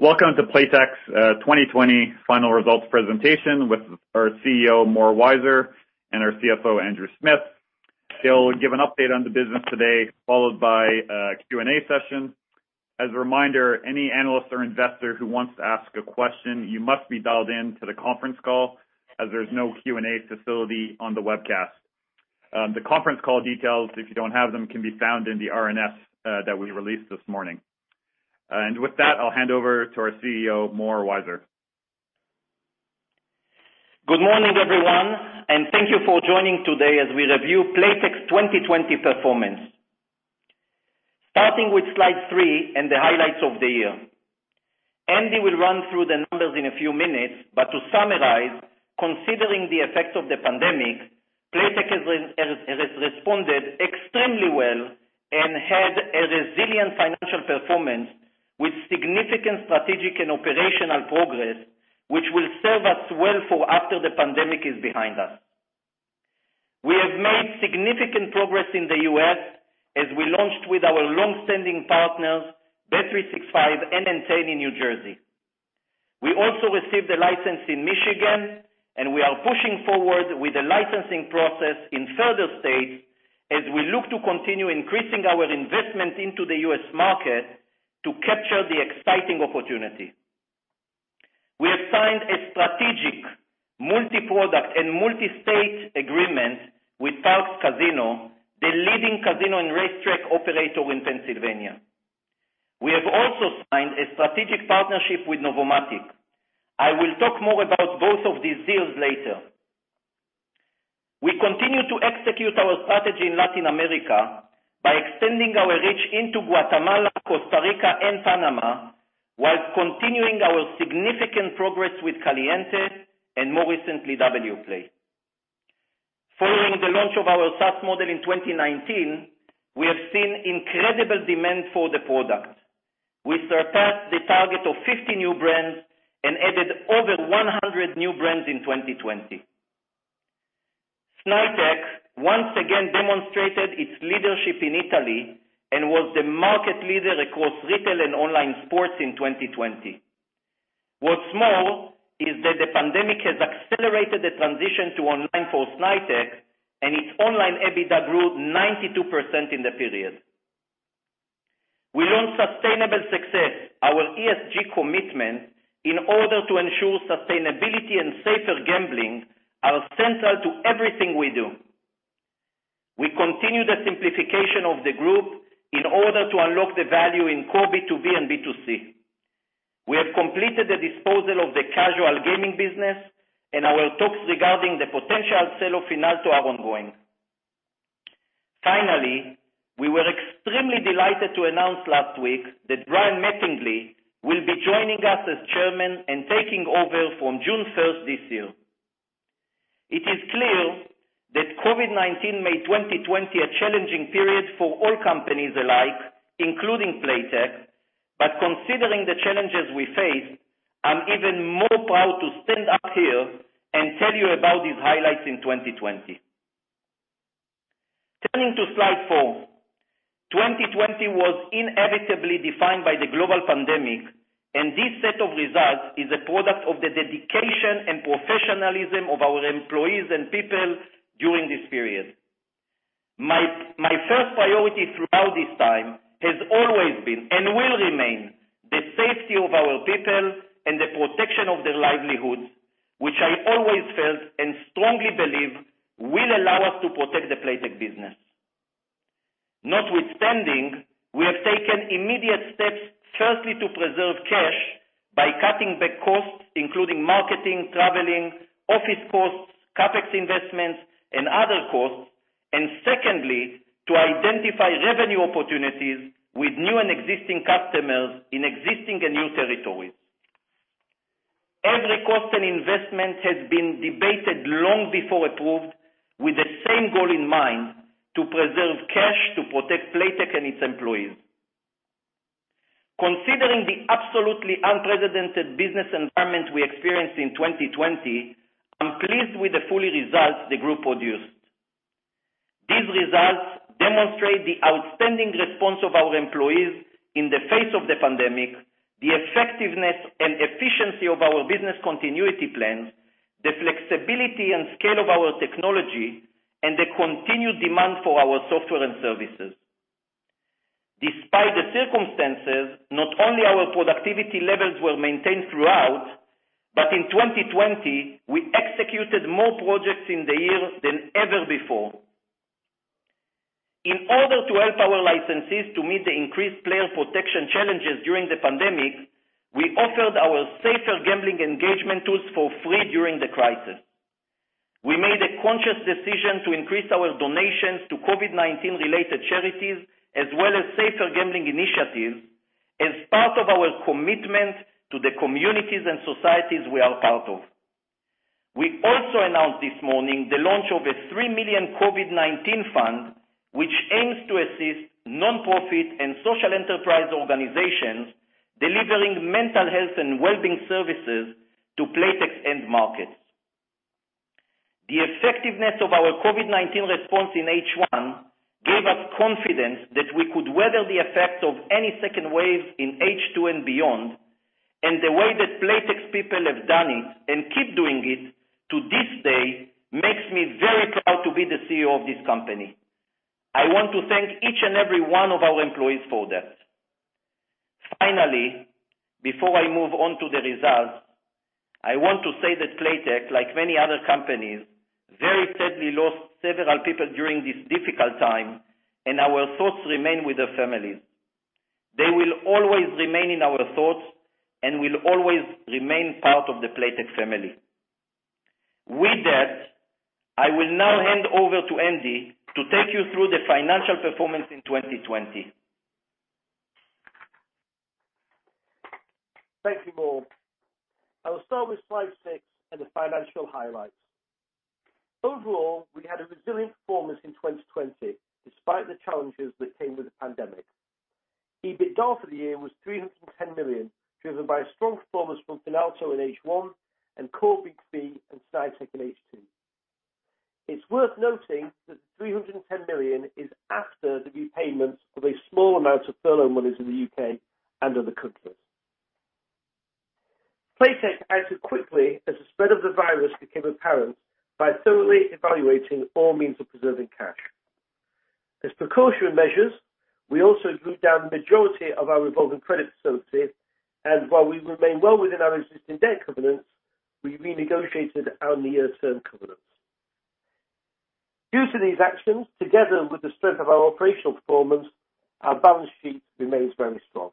Welcome to Playtech's 2020 final results presentation with our CEO, Mor Weizer, and our CFO, Andrew Smith. They'll give an update on the business today, followed by a Q&A session. As a reminder, any analyst or investor who wants to ask a question, you must be dialed in to the conference call as there's no Q&A facility on the webcast. The conference call details, if you don't have them, can be found in the RNS that we released this morning. With that, I'll hand over to our CEO, Mor Weizer. Good morning, everyone, and thank you for joining today as we review Playtech's 2020 performance. Starting with slide three and the highlights of the year. Andy will run through the numbers in a few minutes, to summarize, considering the effects of the pandemic, Playtech has responded extremely well and had a resilient financial performance with significant strategic and operational progress, which will serve us well for after the pandemic is behind us. We have made significant progress in the U.S. as we launched with our long-standing partners, bet365 and Entainin New Jersey. We also received a license in Michigan. We are pushing forward with the licensing process in further states as we look to continue increasing our investment into the U.S. market to capture the exciting opportunity. We have signed a strategic multi-product and multi-state agreement with Parx Casino, the leading casino and racetrack operator in Pennsylvania. We have also signed a strategic partnership with Novomatic. I will talk more about both of these deals later. We continue to execute our strategy in Latin America by extending our reach into Guatemala, Costa Rica, and Panama, while continuing our significant progress with Caliente, and more recently, Wplay. Following the launch of our SaaS model in 2019, we have seen incredible demand for the product. We surpassed the target of 50 new brands and added over 100 new brands in 2020. Snaitech once again demonstrated its leadership in Italy and was the market leader across retail and online sports in 2020. What's more, is that the pandemic has accelerated the transition to online for Snaitech, and its online EBITDA grew 92% in the period. We want Sustainable Success. Our ESG commitment in order to ensure sustainability and safer gambling are central to everything we do. We continue the simplification of the group in order to unlock the value in core B2B and B2C. We have completed the disposal of the casual gaming business and our talks regarding the potential sale of Finalto are ongoing. Finally, we were extremely delighted to announce last week that Brian Mattingley will be joining us as chairman and taking over from June 1st this year. It is clear that COVID-19 made 2020 a challenging period for all companies alike, including Playtech, but considering the challenges we face, I'm even more proud to stand up here and tell you about these highlights in 2020. Turning to slide four. 2020 was inevitably defined by the global pandemic, and this set of results is a product of the dedication and professionalism of our employees and people during this period. My first priority throughout this time has always been, and will remain, the safety of our people and the protection of their livelihoods, which I always felt and strongly believe will allow us to protect the Playtech business. Notwithstanding, we have taken immediate steps, firstly, to preserve cash by cutting back costs, including marketing, traveling, office costs, CapEx investments, and other costs. Secondly, to identify revenue opportunities with new and existing customers in existing and new territories. Every cost and investment has been debated long before approved with the same goal in mind, to preserve cash to protect Playtech and its employees. Considering the absolutely unprecedented business environment we experienced in 2020, I'm pleased with the full year results the group produced. These results demonstrate the outstanding response of our employees in the face of the pandemic, the effectiveness and efficiency of our business continuity plans, the flexibility and scale of our technology, and the continued demand for our software and services. Despite the circumstances, not only our productivity levels were maintained throughout, but in 2020, we executed more projects in the year than ever before. In order to help our licensees to meet the increased player protection challenges during the pandemic, we offered our safer gambling engagement tools for free during the crisis. We made a conscious decision to increase our donations to COVID-19 related charities as well as safer gambling initiatives as part of our commitment to the communities and societies we are part of. We also announced this morning the launch of a 3 million COVID-19 fund, which aims to assist nonprofit and social enterprise organizations delivering mental health and wellbeing services to Playtech's end markets. The effectiveness of our COVID-19 response in H1 gave us confidence that we could weather the effect of any second wave in H2 and beyond, and the way that Playtech's people have done it and keep doing it to this day makes me very proud to be the CEO of this company. I want to thank each and every one of our employees for that. Finally, before I move on to the results, I want to say that Playtech, like many other companies, very sadly lost several people during this difficult time, and our thoughts remain with their families. They will always remain in our thoughts and will always remain part of the Playtech family. With that, I will now hand over to Andy to take you through the financial performance in 2020. Thank you, Mor. I will start with slide six and the financial highlights. We had a resilient performance in 2020, despite the challenges that came with the pandemic. EBITDA for the year was 310 million, driven by strong performance from Finalto in H1 and Core B2B and Snaitech in H2. It's worth noting that the 310 million is after the repayments of a small amount of furlough monies in the U.K. and other countries. Playtech acted quickly as the spread of the virus became apparent by thoroughly evaluating all means of preserving cash. As precaution measures, we also drew down the majority of our revolving credit facilities, and while we remain well within our existing debt covenants, we renegotiated our near-term covenants. Due to these actions, together with the strength of our operational performance, our balance sheet remains very strong.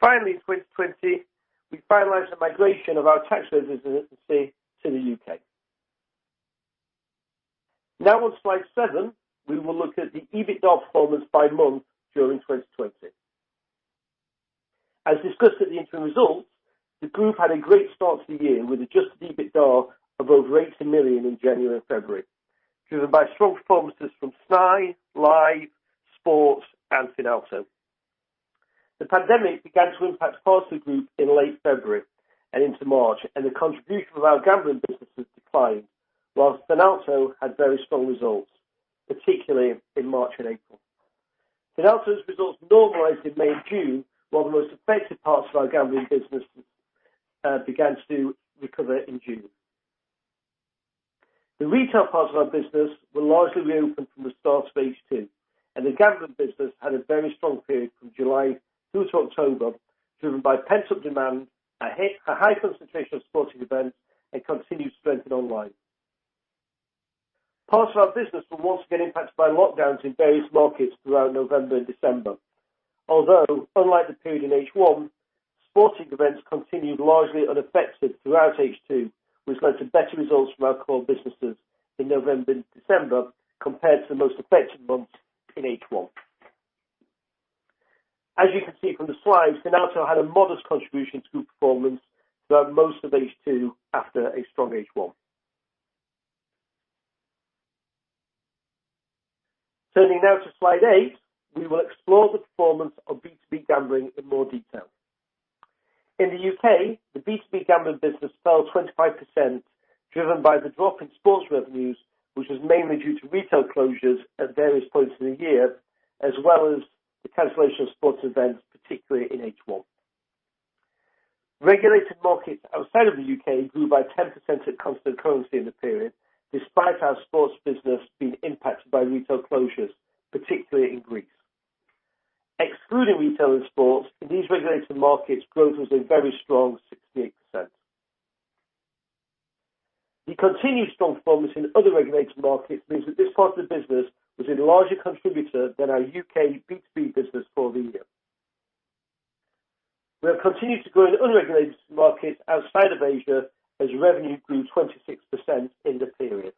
Finally, in 2020, we finalized the migration of our tax residency to the U.K. On slide seven, we will look at the EBITDA performance by month during 2020. As discussed at the interim results, the group had a great start to the year with adjusted EBITDA of over 80 million in January and February, driven by strong performances from Snai, Live, Sports, and Finalto. The pandemic began to impact parts of the group in late February and into March, the contribution of our gambling businesses declined, while Finalto had very strong results, particularly in March and April. Finalto's results normalized in May and June, while the most affected parts of our gambling businesses began to recover in June. The retail parts of our business were largely reopened from the start of H2, and the gambling business had a very strong period from July through to October, driven by pent-up demand, a high concentration of sporting events, and continued strength in online. Parts of our business were once again impacted by lockdowns in various markets throughout November and December. Although, unlike the period in H1, sporting events continued largely unaffected throughout H2, which led to better results from our core businesses in November and December compared to the most affected months in H1. As you can see from the slides, Finalto had a modest contribution to group performance throughout most of H2 after a strong H1. Turning now to slide eight, we will explore the performance of B2B gambling in more detail. In the U.K., the B2B gambling business fell 25%, driven by the drop in sports revenues, which was mainly due to retail closures at various points in the year, as well as the cancellation of sports events, particularly in H1. Regulated markets outside of the U.K. grew by 10% at constant currency in the period, despite our sports business being impacted by retail closures, particularly in Greece. Excluding retail and sports, in these regulated markets, growth was a very strong 68%. The continued strong performance in other regulated markets means that this part of the business was a larger contributor than our U.K. B2B business for the year. We have continued to grow in unregulated markets outside of Asia as revenue grew 26% in the period.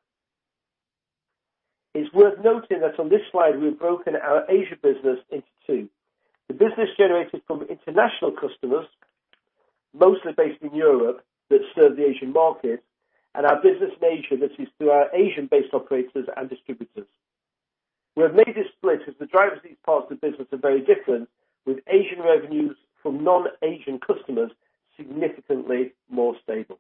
It's worth noting that on this slide, we've broken our Asia business into two. The business generated from international customers, mostly based in Europe that serve the Asian market, and our business in Asia that is through our Asian-based operators and distributors. We have made this split as the drivers of these parts of the business are very different, with Asian revenues from non-Asian customers significantly more stable.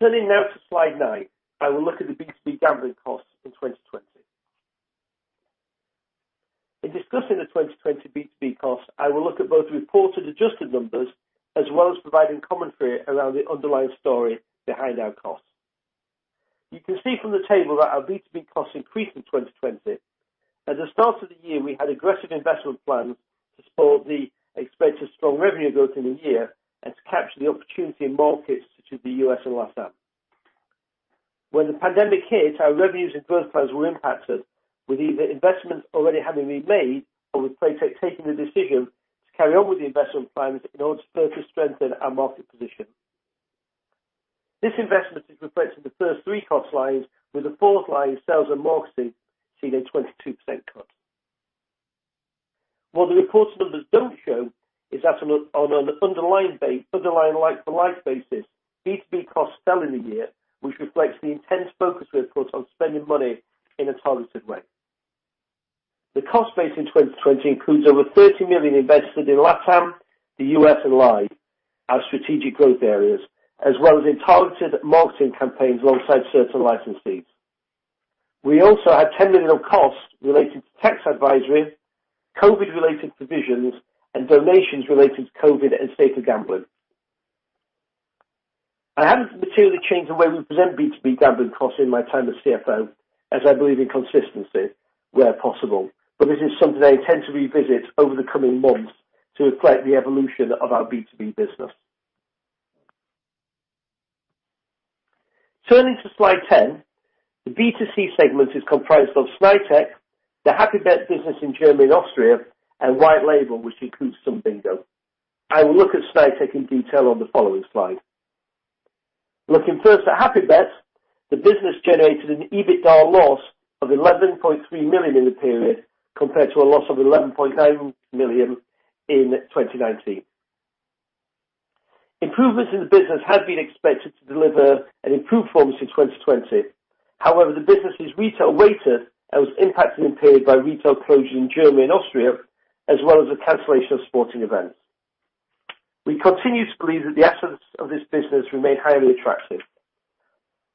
Turning now to slide nine, I will look at the B2B gambling costs in 2020. In discussing the 2020 B2B cost, I will look at both reported adjusted numbers as well as providing commentary around the underlying story behind our costs. You can see from the table that our B2B costs increased in 2020. At the start of the year, we had aggressive investment plans to support the expected strong revenue growth in the year and to capture the opportunity in markets such as the U.S. and LATAM. When the pandemic hit, our revenues and growth plans were impacted with either investments already having been made or with Playtech taking the decision to carry on with the investment plans in order to further strengthen our market position. This investment is reflected in the first three cost lines, with the fourth line, sales and marketing, seeing a 22% cut. What the reported numbers don't show is that on an underlying like-for-like basis, B2B costs fell in the year, which reflects the intense focus we have put on spending money in a targeted way. The cost base in 2020 includes over 30 million invested in LATAM, the U.S., and Live, our strategic growth areas, as well as in targeted marketing campaigns alongside certain licensees. We also had 10 million of costs related to tax advisory, COVID-related provisions, and donations related to COVID and safer gambling. I haven't materially changed the way we present B2B gambling costs in my time as CFO, this is something I intend to revisit over the coming months to reflect the evolution of our B2B business. Turning to slide 10, the B2C segment is comprised of Snaitech, the HappyBet business in Germany and Austria, and White Label, which includes Sun Bingo. I will look at Snaitech in detail on the following slide. Looking first at HappyBet, the business generated an EBITDA loss of 11.3 million in the period, compared to a loss of 11.9 million in 2019. Improvements in the business had been expected to deliver an improved performance in 2020. However, the business is retail-weighted and was impacted in the period by retail closure in Germany and Austria, as well as the cancellation of sporting events. We continue to believe that the assets of this business remain highly attractive.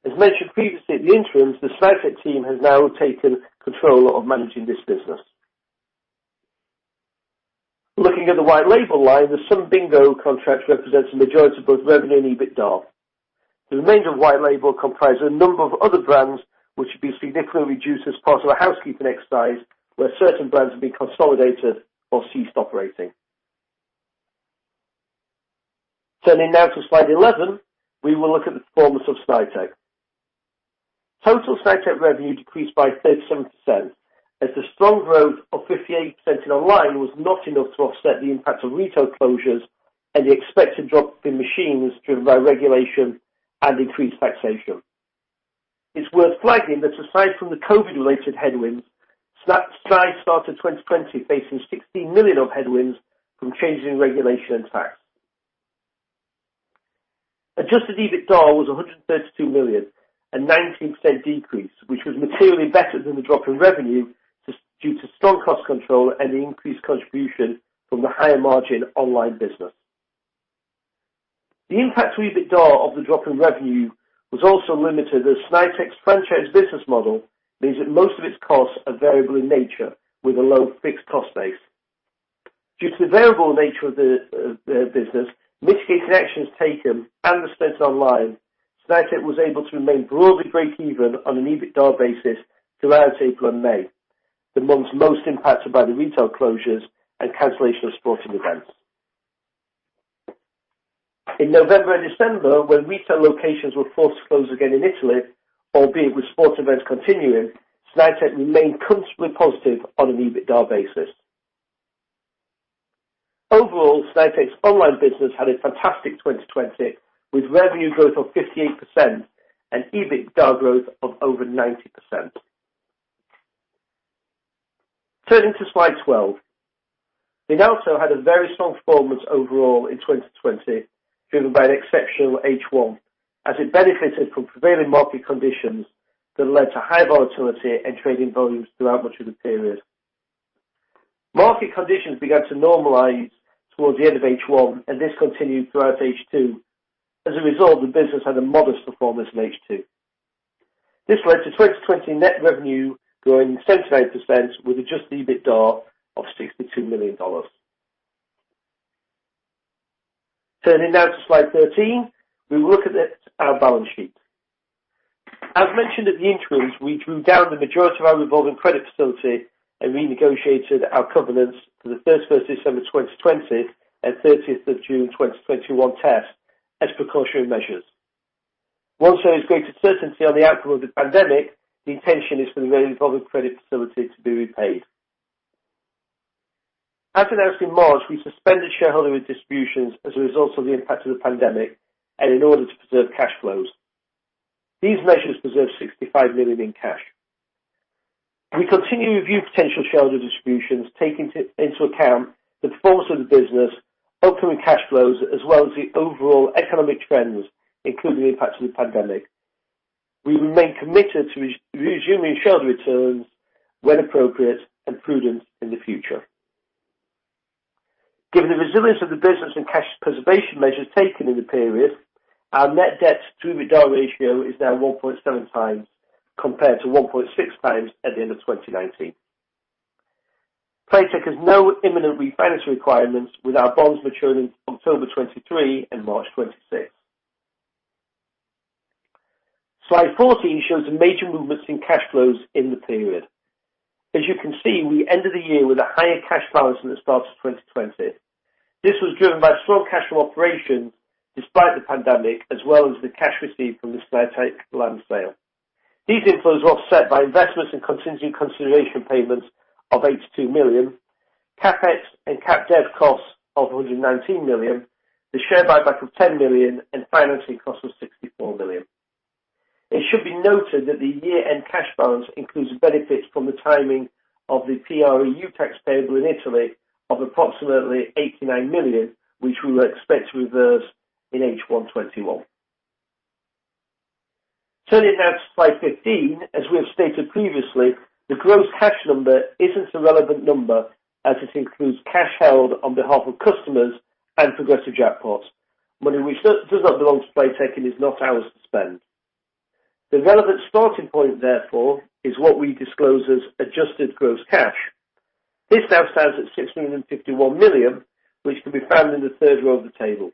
As mentioned previously at the interims, the Snaitech team has now taken control of managing this business. Looking at the White Label line, the Sun Bingo contract represents the majority of both revenue and EBITDA. The remainder of White Label comprises a number of other brands which have been significantly reduced as part of a housekeeping exercise where certain brands have been consolidated or ceased operating. Turning now to slide 11, we will look at the performance of Snaitech. Total Snaitech revenue decreased by 37%, as the strong growth of 58% in Online was not enough to offset the impact of retail closures and the expected drop in machines driven by regulation and increased taxation. It's worth flagging that aside from the COVID-related headwinds, Snai started 2020 facing 16 million of headwinds from changes in regulation and tax. Adjusted EBITDA was 132 million, a 19% decrease, which was materially better than the drop in revenue due to strong cost control and the increased contribution from the higher-margin online business. The impact to EBITDA of the drop in revenue was also limited as Snaitech's franchise business model means that most of its costs are variable in nature with a low fixed cost base. Due to the variable nature of the business, mitigating actions taken and the spend to online, Snaitech was able to remain broadly breakeven on an EBITDA basis throughout April and May, the months most impacted by the retail closures and cancellation of sporting events. In November and December, when retail locations were forced to close again in Italy, albeit with sports events continuing, Snaitech remained comfortably positive on an EBITDA basis. Overall, Snaitech's online business had a fantastic 2020, with revenue growth of 58% and EBITDA growth of over 90%. Turning to slide 12. Finalto had a very strong performance overall in 2020, driven by an exceptional H1, as it benefited from prevailing market conditions that led to high volatility and trading volumes throughout much of the period. Market conditions began to normalize towards the end of H1. This continued throughout H2. As a result, the business had a modest performance in H2. This led to 2020 net revenue growing 79% with adjusted EBITDA of EUR 62 million. Turning now to slide 13, we will look at our balance sheet. As mentioned at the interims, we drew down the majority of our revolving credit facility and renegotiated our covenants for the 1st of December 2020 and 30th of June 2021 test as precautionary measures. Once there is greater certainty on the outcome of the pandemic, the intention is for the revolving credit facility to be repaid. As announced in March, we suspended shareholder distributions as a result of the impact of the pandemic and in order to preserve cash flows. These measures preserved 65 million in cash. We continue to review potential shareholder distributions, taking into account the performance of the business, upcoming cash flows, as well as the overall economic trends, including the impact of the pandemic. We remain committed to resuming shareholder returns when appropriate and prudent in the future. Given the resilience of the business and cash preservation measures taken in the period, our net debt to EBITDA ratio is now 1.7 times compared to 1.6 times at the end of 2019. Playtech has no imminent refinance requirements, with our bonds maturing October 2023 and March 2026. Slide 14 shows the major movements in cash flows in the period. You can see, we ended the year with a higher cash balance than the start of 2020. This was driven by strong cash flow operations despite the pandemic, as well as the cash received from the Snaitech land sale. These inflows were offset by investments in contingent consideration payments of 82 million, CapEx and CapDev costs of 119 million, the share buyback of 10 million, and financing costs of 64 million. It should be noted that the year-end cash balance includes benefits from the timing of the PREU tax payable in Italy of approximately 89 million, which we will expect to reverse in H1 2021. Turning now to Slide 15, as we have stated previously, the gross cash number isn't a relevant number as it includes cash held on behalf of customers and progressive jackpots, money which does not belong to Playtech and is not ours to spend. The relevant starting point, therefore, is what we disclose as adjusted gross cash. This now stands at 651 million, which can be found in the third row of the table.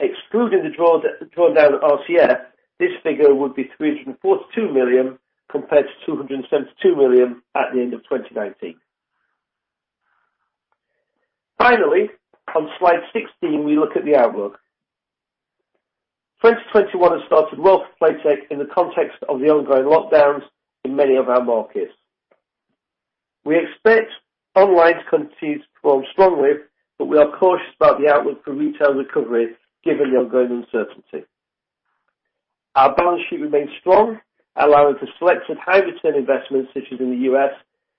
Excluding the drawdown at RCF, this figure would be 342 million compared to 272 million at the end of 2019. Finally, on Slide 16, we look at the outlook. 2021 has started well for Playtech in the context of the ongoing lockdowns in many of our markets. We expect online to continue to perform strongly, but we are cautious about the outlook for retail recovery given the ongoing uncertainty. Our balance sheet remains strong, allowing for selected high return investments, such as in the U.S.,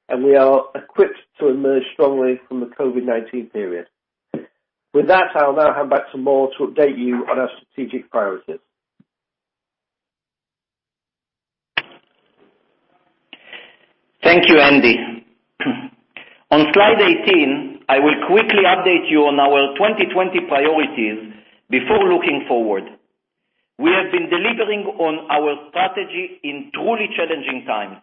and we are equipped to emerge strongly from the COVID-19 period. With that, I'll now hand back to Mor to update you on our strategic priorities. Thank you, Andy. On Slide 18, I will quickly update you on our 2020 priorities before looking forward. We have been delivering on our strategy in truly challenging times.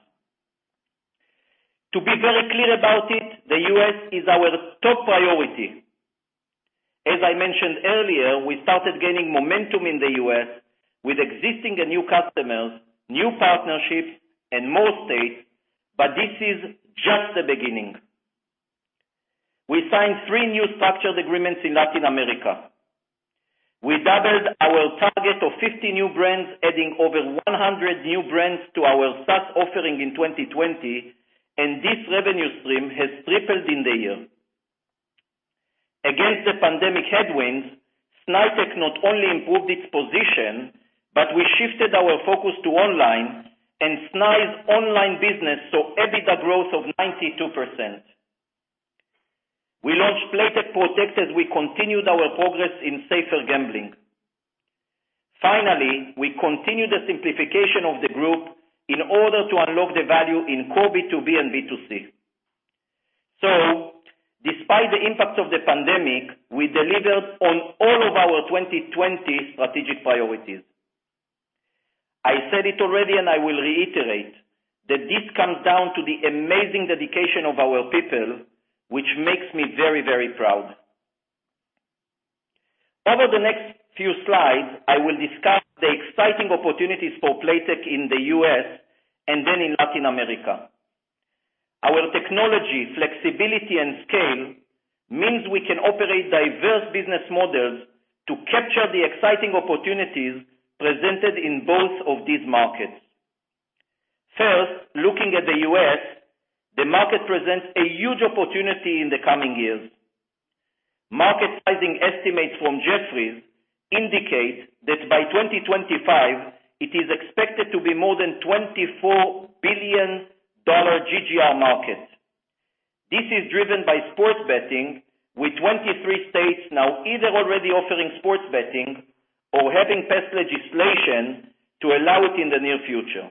To be very clear about it, the U.S. is our top priority. As I mentioned earlier, we started gaining momentum in the U.S. with existing and new customers, new partnerships, and more states, but this is just the beginning. We signed three new structured agreements in Latin America. We doubled our target of 50 new brands, adding over 100 new brands to our SaaS offering in 2020, and this revenue stream has tripled in the year. Against the pandemic headwinds, Snaitech not only improved its position, but we shifted our focus to online, and Snaitech's online business saw EBITDA growth of 92%. We launched Playtech Protect as we continued our progress in safer gambling. We continued the simplification of the group in order to unlock the value in core B2B and B2C. Despite the impact of the pandemic, we delivered on all of our 2020 strategic priorities. I said it already, and I will reiterate that this comes down to the amazing dedication of our people, which makes me very, very proud. Over the next few slides, I will discuss the exciting opportunities for Playtech in the U.S. and then in Latin America. Our technology, flexibility, and scale means we can operate diverse business models to capture the exciting opportunities presented in both of these markets. Looking at the U.S., the market presents a huge opportunity in the coming years. Market sizing estimates from Jefferies indicate that by 2025, it is expected to be more than $24 billion GGR market. This is driven by sports betting, with 23 states now either already offering sports betting or having passed legislation to allow it in the near future.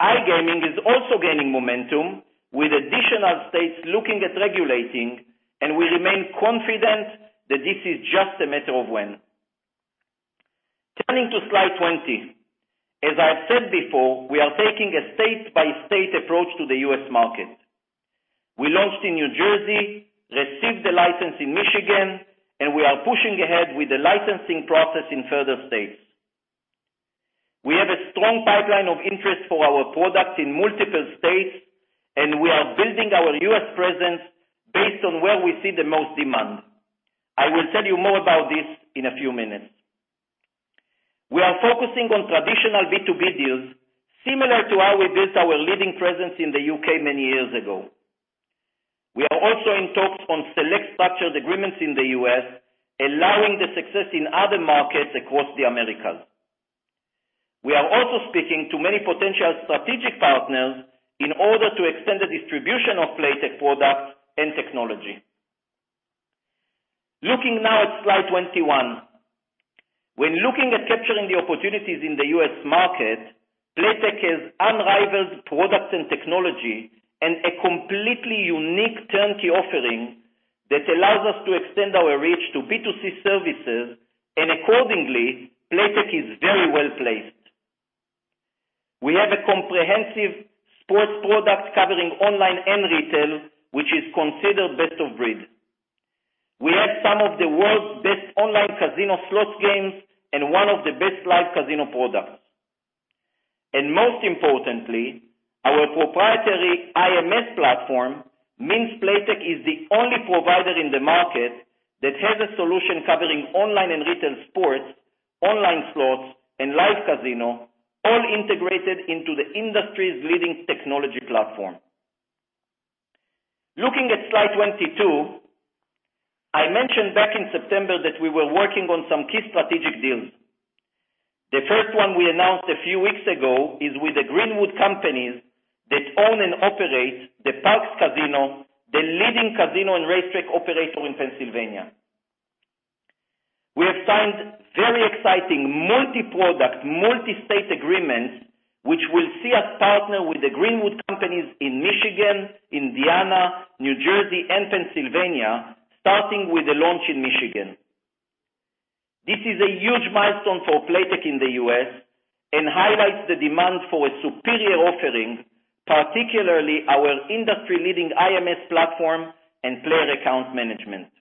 iGaming is also gaining momentum, with additional states looking at regulating, and we remain confident that this is just a matter of when. Turning to Slide 20. As I have said before, we are taking a state-by-state approach to the U.S. market. We launched in New Jersey, received a license in Michigan, and we are pushing ahead with the licensing process in further states. We have a strong pipeline of interest for our products in multiple states, and we are building our U.S. presence based on where we see the most demand. I will tell you more about this in a few minutes. We are focusing on traditional B2B deals, similar to how we built our leading presence in the U.K. many years ago. We are also in talks on select structured agreements in the U.S., allowing the success in other markets across the Americas. We are also speaking to many potential strategic partners in order to extend the distribution of Playtech products and technology. Looking now at Slide 21. When looking at capturing the opportunities in the U.S. market, Playtech has unrivaled products and technology and a completely unique turnkey offering that allows us to extend our reach to B2C services, and accordingly, Playtech is very well-placed. We have a comprehensive sports product covering online and retail, which is considered best-of-breed. We have some of the world's best online casino slots games and one of the best Live Casino products. Most importantly, our proprietary IMS platform means Playtech is the only provider in the market that has a solution covering online and retail sports, online slots, and Live casino, all integrated into the industry's leading technology platform. Looking at Slide 22, I mentioned back in September that we were working on some key strategic deals. The first one we announced a few weeks ago is with the Greenwood companies that own and operate the Parx Casino, the leading casino and racetrack operator in Pennsylvania. We have signed very exciting multi-product, multi-state agreements which will see us partner with the Greenwood companies in Michigan, Indiana, New Jersey and Pennsylvania, starting with the launch in Michigan. This is a huge milestone for Playtech in the U.S. and highlights the demand for a superior offering, particularly our industry-leading IMS platform and player account management.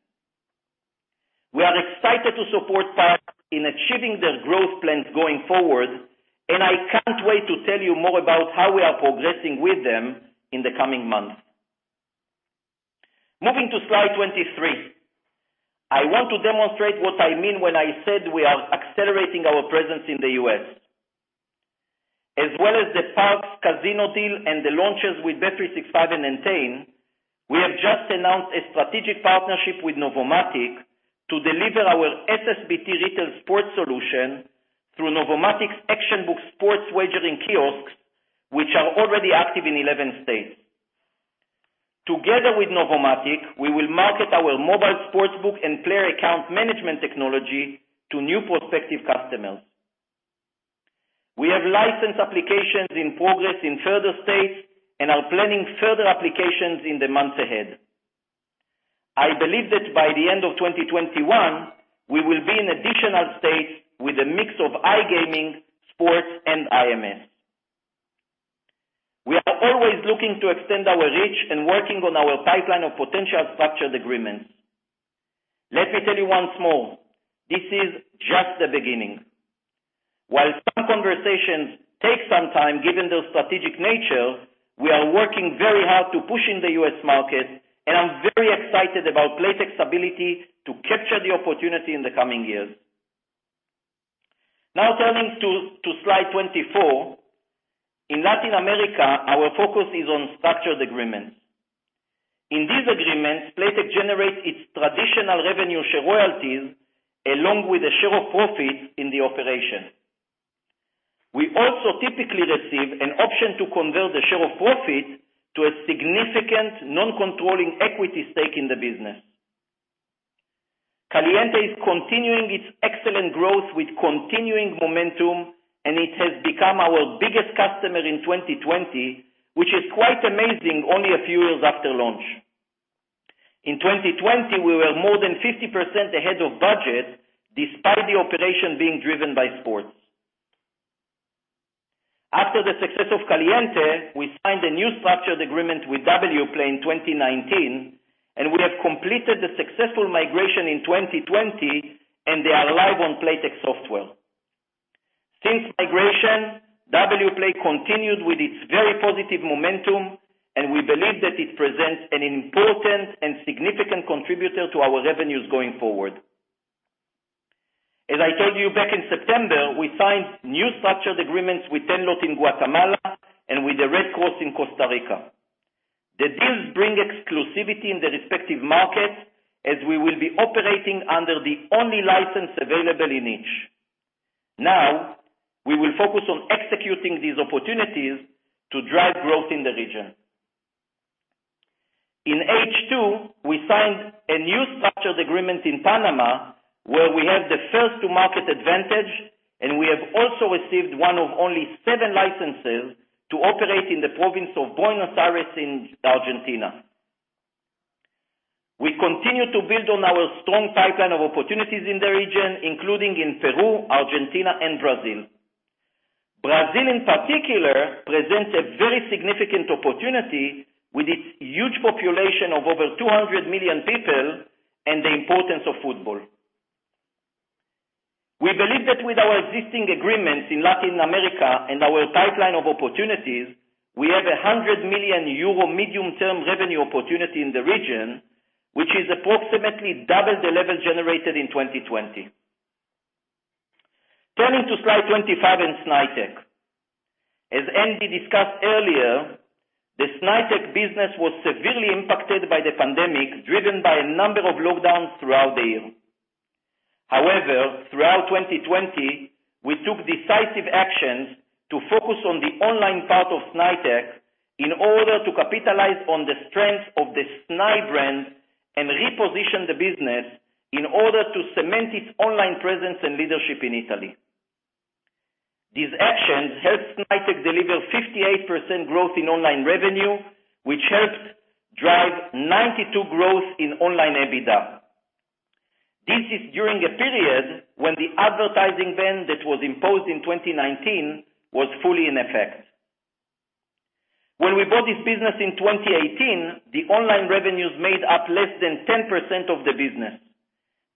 We are excited to support Parx in achieving their growth plans going forward. I can't wait to tell you more about how we are progressing with them in the coming months. Moving to slide 23. I want to demonstrate what I mean when I said we are accelerating our presence in the U.S. As well as the Parx Casino deal and the launches with bet365 and Entain, we have just announced a strategic partnership with Novomatic to deliver our SSBT retail sports solution through Novomatic's ActionBook sports wagering kiosks, which are already active in 11 states. Together with Novomatic, we will market our mobile sportsbook and player account management technology to new prospective customers. We have license applications in progress in further states and are planning further applications in the months ahead. I believe that by the end of 2021, we will be in additional states with a mix of iGaming, sports, and IMS. We are always looking to extend our reach and working on our pipeline of potential structured agreements. Let me tell you once more, this is just the beginning. While some conversations take some time, given their strategic nature, we are working very hard to push in the U.S. market, and I'm very excited about Playtech's ability to capture the opportunity in the coming years. Now turning to Slide 24. In Latin America, our focus is on structured agreements. In these agreements, Playtech generates its traditional revenue share royalties along with a share of profits in the operation. We also typically receive an option to convert the share of profit to a significant non-controlling equity stake in the business. Caliente is continuing its excellent growth with continuing momentum. It has become our biggest customer in 2020, which is quite amazing only a few years after launch. In 2020, we were more than 50% ahead of budget despite the operation being driven by sports. After the success of Caliente, we signed a new structured agreement with Wplay in 2019. We have completed the successful migration in 2020, and they are live on Playtech software. Since migration, Wplay continued with its very positive momentum, and we believe that it presents an important and significant contributor to our revenues going forward. As I told you back in September, we signed new structured agreements with Tenlot in Guatemala and with the Red Cross in Costa Rica. The deals bring exclusivity in the respective markets as we will be operating under the only license available in each. Now, we will focus on executing these opportunities to drive growth in the region. In H2, we signed a new structured agreement in Panama where we have the first to market advantage, and we have also received one of only seven licenses to operate in the province of Buenos Aires in Argentina. We continue to build on our strong pipeline of opportunities in the region, including in Peru, Argentina, and Brazil. Brazil, in particular, presents a very significant opportunity with its huge population of over 200 million people and the importance of football. We believe that with our existing agreements in Latin America and our pipeline of opportunities, we have a €100 million medium-term revenue opportunity in the region, which is approximately double the level generated in 2020. Turning to Slide 25 in Snaitech. As Andy discussed earlier, the Snaitech business was severely impacted by the pandemic, driven by a number of lockdowns throughout the year. Throughout 2020, we took decisive actions to focus on the online part of Snaitech in order to capitalize on the strength of the Snai brand and reposition the business in order to cement its online presence and leadership in Italy. These actions helped Snaitech deliver 58% growth in online revenue, which helped drive 92% growth in online EBITDA. This is during a period when the advertising ban that was imposed in 2019 was fully in effect. When we bought this business in 2018, the online revenues made up less than 10% of the business.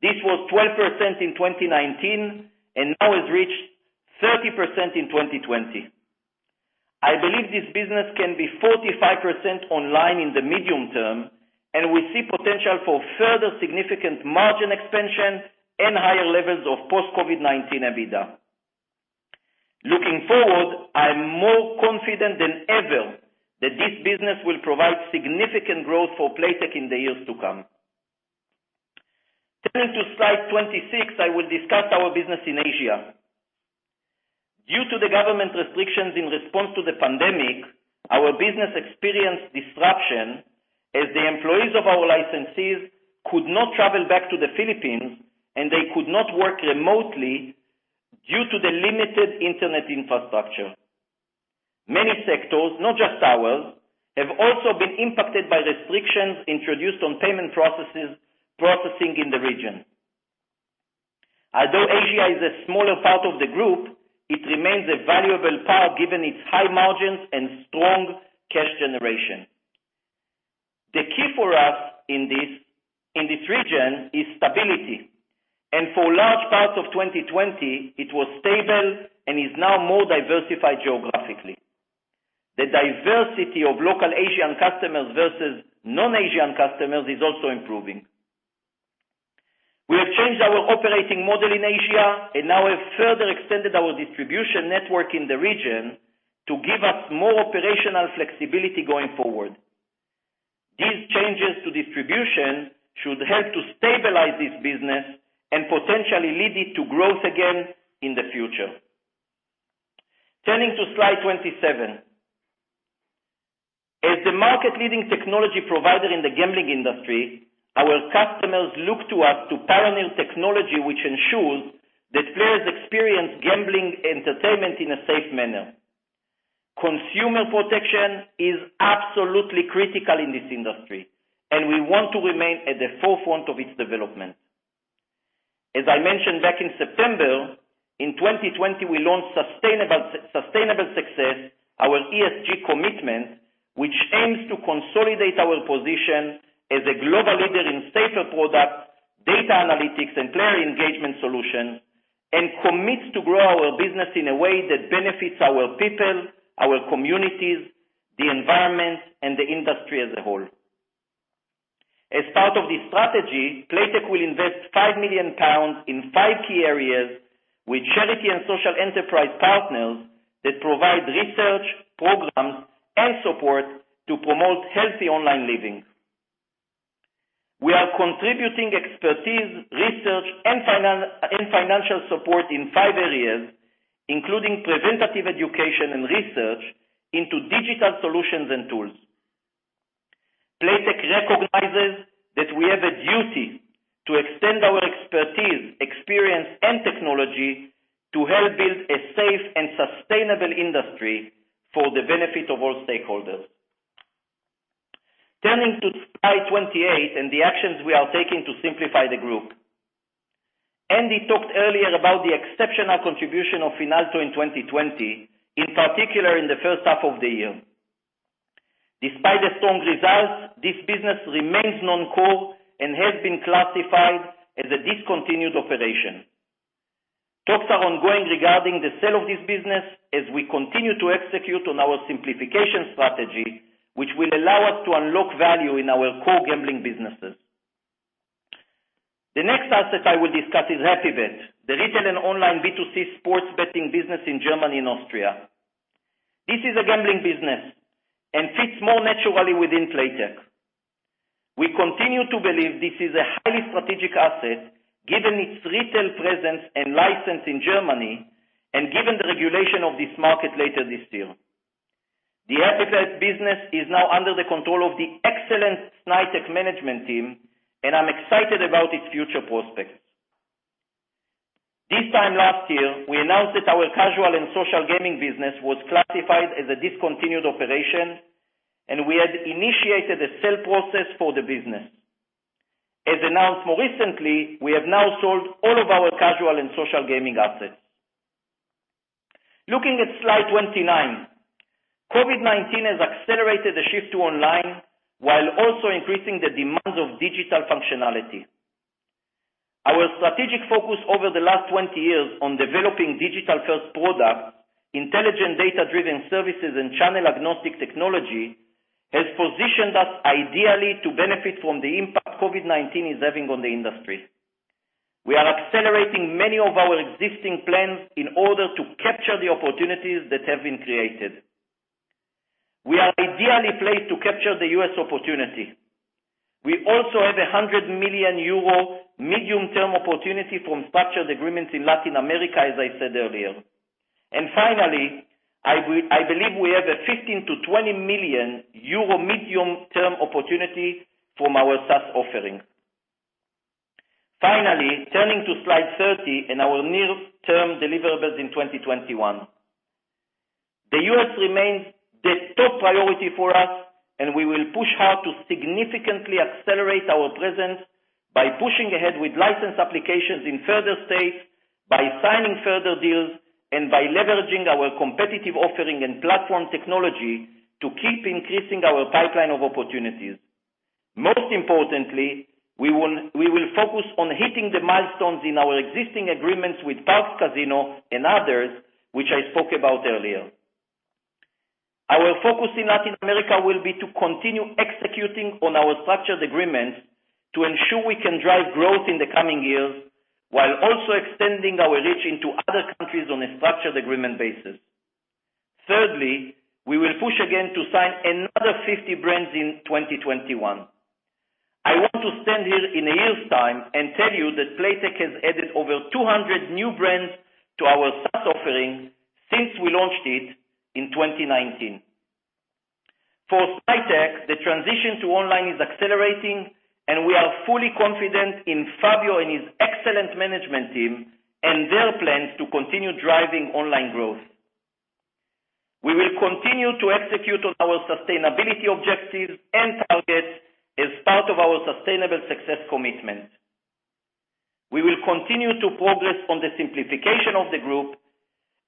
This was 12% in 2019 and now has reached 30% in 2020. I believe this business can be 45% online in the medium term, and we see potential for further significant margin expansion and higher levels of post-COVID-19 EBITDA. Looking forward, I am more confident than ever that this business will provide significant growth for Playtech in the years to come. Turning to Slide 26, I will discuss our business in Asia. Due to the government restrictions in response to the pandemic, our business experienced disruption as the employees of our licensees could not travel back to the Philippines, and they could not work remotely due to the limited internet infrastructure. Many sectors, not just ours, have also been impacted by restrictions introduced on payment processing in the region. Although Asia is a smaller part of the group, it remains a valuable part given its high margins and strong cash generation. The key for us in this region is stability, and for large parts of 2020, it was stable and is now more diversified geographically. The diversity of local Asian customers versus non-Asian customers is also improving. We have changed our operating model in Asia and now have further extended our distribution network in the region to give us more operational flexibility going forward. These changes to distribution should help to stabilize this business and potentially lead it to growth again in the future. Turning to slide 27. As the market-leading technology provider in the gambling industry, our customers look to us to pioneer technology which ensures that players experience gambling entertainment in a safe manner. Consumer protection is absolutely critical in this industry, and we want to remain at the forefront of its development. As I mentioned back in September, in 2020, we launched Sustainable Success, our ESG commitment, which aims to consolidate our position as a global leader in safer products, data analytics, and player engagement solutions, and commits to grow our business in a way that benefits our people, our communities, the environment, and the industry as a whole. As part of this strategy, Playtech will invest 5 million pounds in five key areas with charity and social enterprise partners that provide research, programs, and support to promote healthy online living. We are contributing expertise, research, and financial support in five areas, including preventative education and research into digital solutions and tools. Playtech recognizes that we have a duty to extend our expertise, experience, and technology to help build a safe and sustainable industry for the benefit of all stakeholders. Turning to slide 28 and the actions we are taking to simplify the group. Andy talked earlier about the exceptional contribution of Finalto in 2020, in particular in the first half of the year. Despite the strong results, this business remains non-core and has been classified as a discontinued operation. Talks are ongoing regarding the sale of this business as we continue to execute on our simplification strategy, which will allow us to unlock value in our core gambling businesses. The next asset I will discuss is HappyBet, the retail and online B2C sports betting business in Germany and Austria. This is a gambling business and fits more naturally within Playtech. We continue to believe this is a highly strategic asset, given its retail presence and license in Germany, and given the regulation of this market later this year. The HappyBet business is now under the control of the excellent Snaitech management team, and I'm excited about its future prospects. This time last year, we announced that our casual and social gaming business was classified as a discontinued operation, and we had initiated a sale process for the business. As announced more recently, we have now sold all of our casual and social gaming assets. Looking at slide 29. COVID-19 has accelerated the shift to online, while also increasing the demands of digital functionality. Our strategic focus over the last 20 years on developing digital-first product, intelligent data-driven services, and channel-agnostic technology has positioned us ideally to benefit from the impact COVID-19 is having on the industry. We are accelerating many of our existing plans in order to capture the opportunities that have been created. We are ideally placed to capture the U.S. opportunity. We also have a 100 million euro medium-term opportunity from structured agreements in Latin America, as I said earlier. Finally, I believe we have a 15 million-20 million euro medium-term opportunity from our SaaS offering. Finally, turning to slide 30 and our near-term deliverables in 2021. The U.S. remains the top priority for us, and we will push hard to significantly accelerate our presence by pushing ahead with license applications in further states, by signing further deals, and by leveraging our competitive offering and platform technology to keep increasing our pipeline of opportunities. Most importantly, we will focus on hitting the milestones in our existing agreements with Parx Casino and others, which I spoke about earlier. Our focus in Latin America will be to continue executing on our structured agreements to ensure we can drive growth in the coming years, while also extending our reach into other countries on a structured agreement basis. Thirdly, we will push again to sign another 50 brands in 2021. I want to stand here in a year's time and tell you that Playtech has added over 200 new brands to our SaaS offerings since we launched it in 2019. For Playtech, the transition to online is accelerating, and we are fully confident in Fabio and his excellent management team and their plans to continue driving online growth. We will continue to execute on our sustainability objectives and targets as part of our Sustainable Success commitment. We will continue to progress on the simplification of the group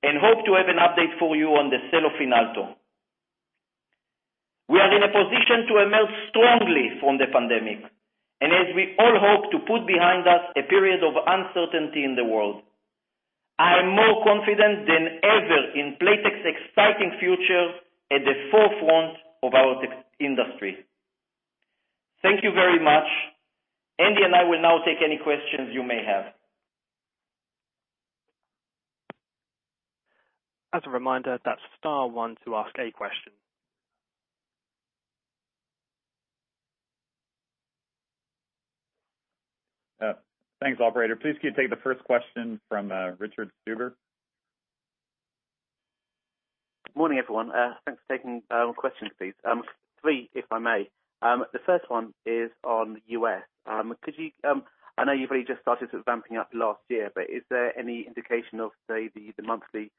and hope to have an update for you on the sale of Finalto. We are in a position to emerge strongly from the pandemic. As we all hope to put behind us a period of uncertainty in the world, I am more confident than ever in Playtech's exciting future at the forefront of our tech industry. Thank you very much. Andy and I will now take any questions you may have. As a reminder, that's star one to ask a question. Thanks, operator. Please can you take the first question from Richard Stuber? Morning, everyone. Thanks for taking my questions, please. Three, if I may. The first one is on the U.S. I know you've only just started sort of ramping up last year, but is there any indication of, say, the monthly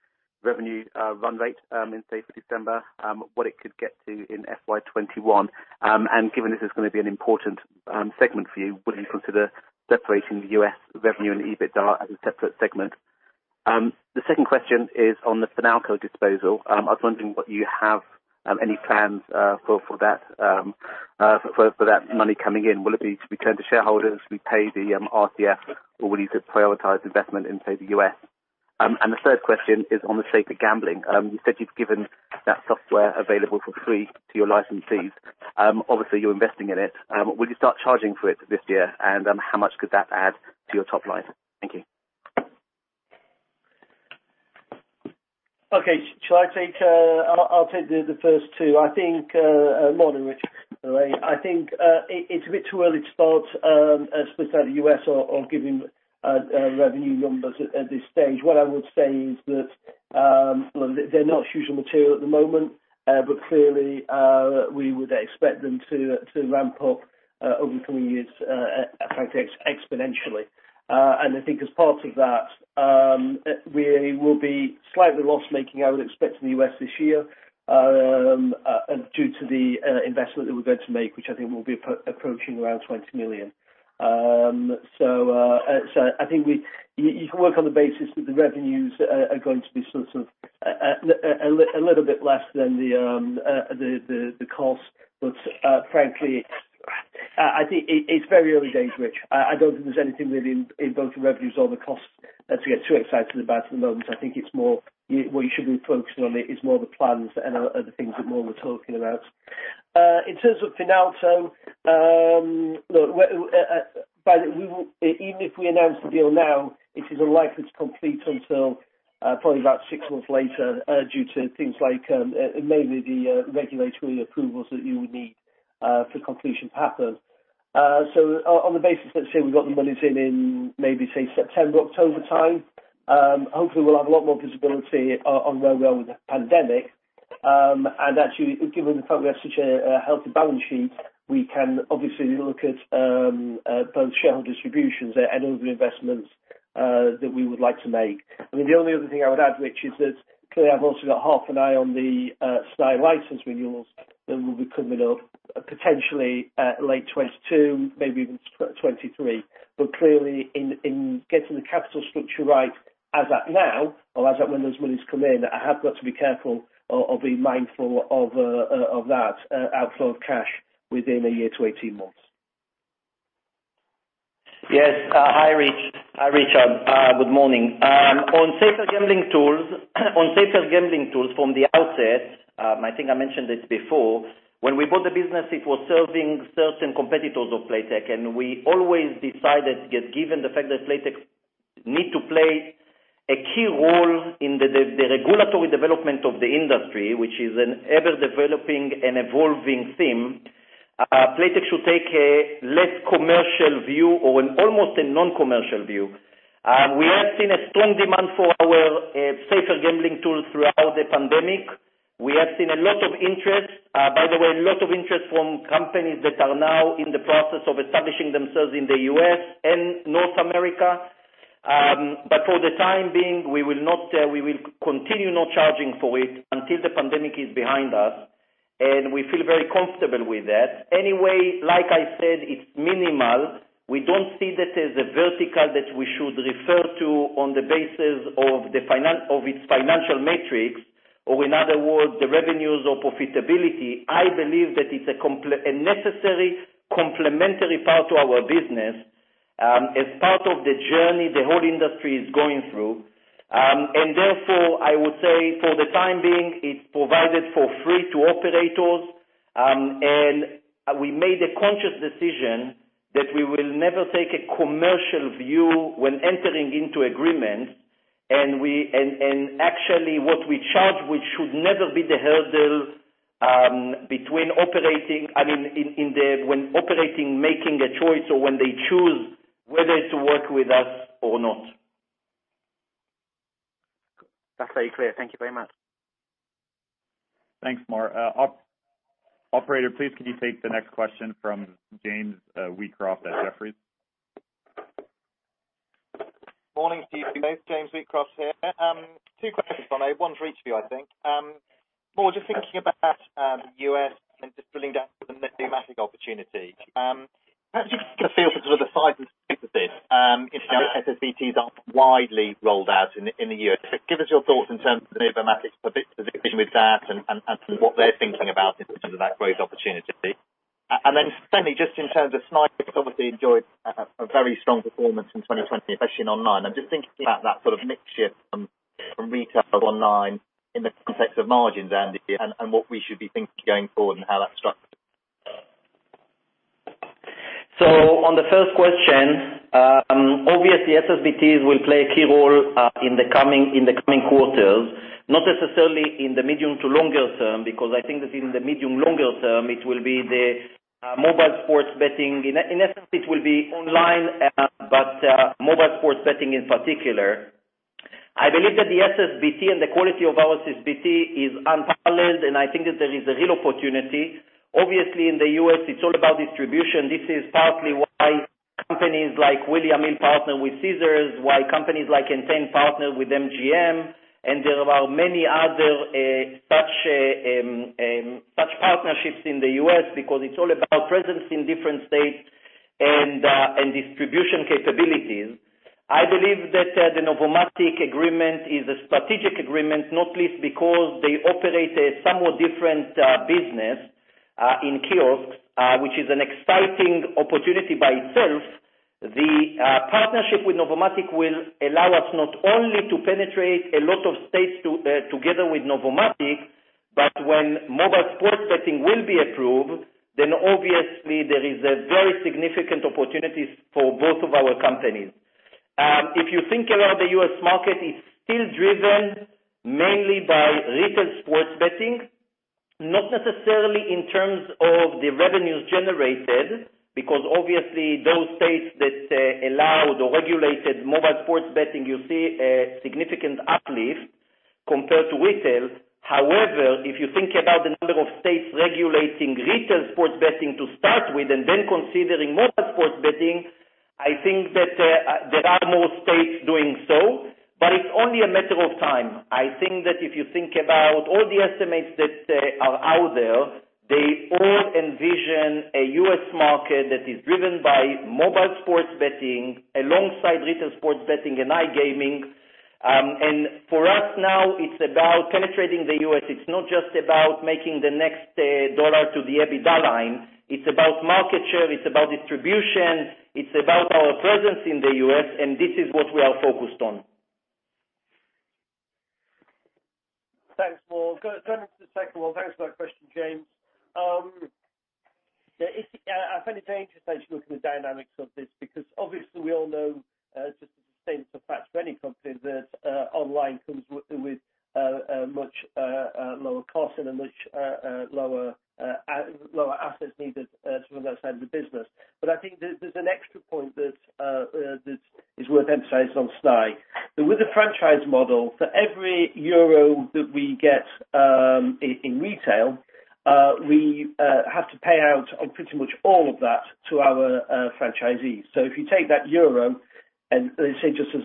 revenue run rate in, say, for December, what it could get to in FY 2021? Given this is going to be an important segment for you, would you consider separating the U.S. revenue and EBITDA as a separate segment? The second question is on the Finalto disposal. I was wondering what you have any plans for that money coming in. Will it be returned to shareholders, will you pay the RCF, or will you prioritize investment in, say, the U.S.? The third question is on the safer gambling. You said you've given that software available for free to your licensees. Obviously, you're investing in it. Will you start charging for it this year, and how much could that add to your top line? Thank you. Okay. I'll take the first two. Morning, Richard. I think it's a bit too early to start, especially the U.S. or giving revenue numbers at this stage. What I would say is that they're not usually material at the moment, but clearly, we would expect them to ramp up over the coming years, frankly, exponentially. I think as part of that, we will be slightly loss-making, I would expect, in the U.S. this year due to the investment that we're going to make, which I think will be approaching around $20 million. I think you can work on the basis that the revenues are going to be sort of a little bit less than the cost. frankly, I think it's very early days, Richard. I don't think there's anything really in both the revenues or the costs to get too excited about at the moment. I think what you should be focusing on is more the plans and the things that Mor was talking about. In terms of Finalto, even if we announce the deal now, it is unlikely to complete until probably about six months later due to things like mainly the regulatory approvals that you would need for completion to happen. On the basis, let's say we got the money in maybe, say, September, October time, hopefully we'll have a lot more visibility on where we are with the pandemic. Actually, given the fact we have such a healthy balance sheet, we can obviously look at both shareholder distributions and other investments that we would like to make. I mean, the only other thing I would add, Richard, is that clearly I've also got half an eye on the Snai license renewals that will be coming up potentially late 2022, maybe even 2023. Clearly in getting the capital structure right as at now or as at when those monies come in, I have got to be careful or be mindful of that outflow of cash within a year to 18 months. Yes. Hi, Richard. Good morning. On safer gambling tools from the outset, I think I mentioned this before, when we bought the business, it was serving certain competitors of Playtech, and we always decided that given the fact that Playtech need to play a key role in the regulatory development of the industry, which is an ever-developing and evolving theme, Playtech should take a less commercial view or an almost a non-commercial view. We have seen a strong demand for our safer gambling tools throughout the pandemic. We have seen a lot of interest, by the way, a lot of interest from companies that are now in the process of establishing themselves in the U.S. and North America. For the time being, we will continue not charging for it until the pandemic is behind us, and we feel very comfortable with that. Anyway, like I said, it's minimal. We don't see that as a vertical that we should refer to on the basis of its financial metrics or, in other words, the revenues or profitability. I believe that it's a necessary complementary part to our business as part of the journey the whole industry is going through. Therefore, I would say for the time being, it provides for free to operators. We made a conscious decision that we will never take a commercial view when entering into agreements, and actually what we charge, which should never be the hurdle between operating, making a choice or when they choose whether to work with us or not. That's very clear. Thank you very much. Thanks, Mor. Operator, please could you take the next question from James Wheatcroft at Jefferies? Morning to you both. James Wheatcroft here. Two questions for you. One for each of you, I think. Mor, just thinking about U.S. and just pulling down the Novomatic opportunity. Perhaps just to get a feel for the size of this, if SSBTs are widely rolled out in the U.S. Give us your thoughts in terms of the Novomatic position with that and what they're thinking about in terms of that growth opportunity. Secondly, just in terms of Snai, it's obviously enjoyed a very strong performance in 2020, especially in online. I'm just thinking about that sort of mix shift from retail to online in the context of margins, Andy, and what we should be thinking going forward and how that structures. On the first question, obviously SSBTs will play a key role in the coming quarters, not necessarily in the medium to longer term, because I think that in the medium longer term, it will be the mobile sports betting. In essence, it will be online, but mobile sports betting in particular. I believe that the SSBT and the quality of our SSBT is unparalleled, and I think that there is a real opportunity. Obviously, in the U.S., it's all about distribution. This is partly why companies like William Hill partner with Caesars, why companies like Entain partner with MGM, and there are many other such partnerships in the U.S. because it's all about presence in different states and distribution capabilities. I believe that the Novomatic agreement is a strategic agreement, not least because they operate a somewhat different business, in kiosks, which is an exciting opportunity by itself. The partnership with Novomatic will allow us not only to penetrate a lot of states together with Novomatic, but when mobile sports betting will be approved, then obviously there is a very significant opportunity for both of our companies. If you think about the U.S. market, it's still driven mainly by retail sports betting, not necessarily in terms of the revenues generated, because obviously those states that allowed or regulated mobile sports betting, you see a significant uplift compared to retail. If you think about the number of states regulating retail sports betting to start with, and then considering mobile sports betting, I think that there are more states doing so, but it's only a matter of time. I think that if you think about all the estimates that are out there, they all envision a U.S. market that is driven by mobile sports betting alongside retail sports betting and iGaming. For us now, it's about penetrating the U.S. It's not just about making the next dollar to the EBITDA line. It's about market share, it's about distribution, it's about our presence in the U.S., and this is what we are focused on. Thanks, Mor. Turning to the second one. Thanks for that question, James. I find it very interesting looking at the dynamics of this, because obviously we all know, just as a statement of fact for any company, that online comes with a much lower cost and much lower assets needed from that side of the business. I think there's an extra point that is worth emphasizing on Snaitech. With the franchise model, for every EUR that we get in retail, we have to pay out on pretty much all of that to our franchisees. If you take that EUR, and say, just as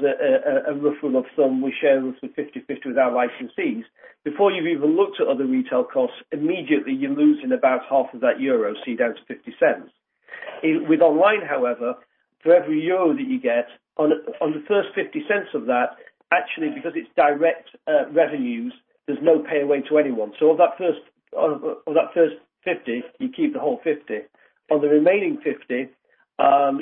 a rule of thumb, we share roughly 50/50 with our licensees, before you've even looked at other retail costs, immediately you're losing about half of that EUR, you're down to 0.50. With online, however, for every EUR that you get, on the first 0.50 of that, actually, because it's direct revenues, there's no payaway to anyone. Of that first 0.50, you keep the whole 0.50. On the remaining 0.50,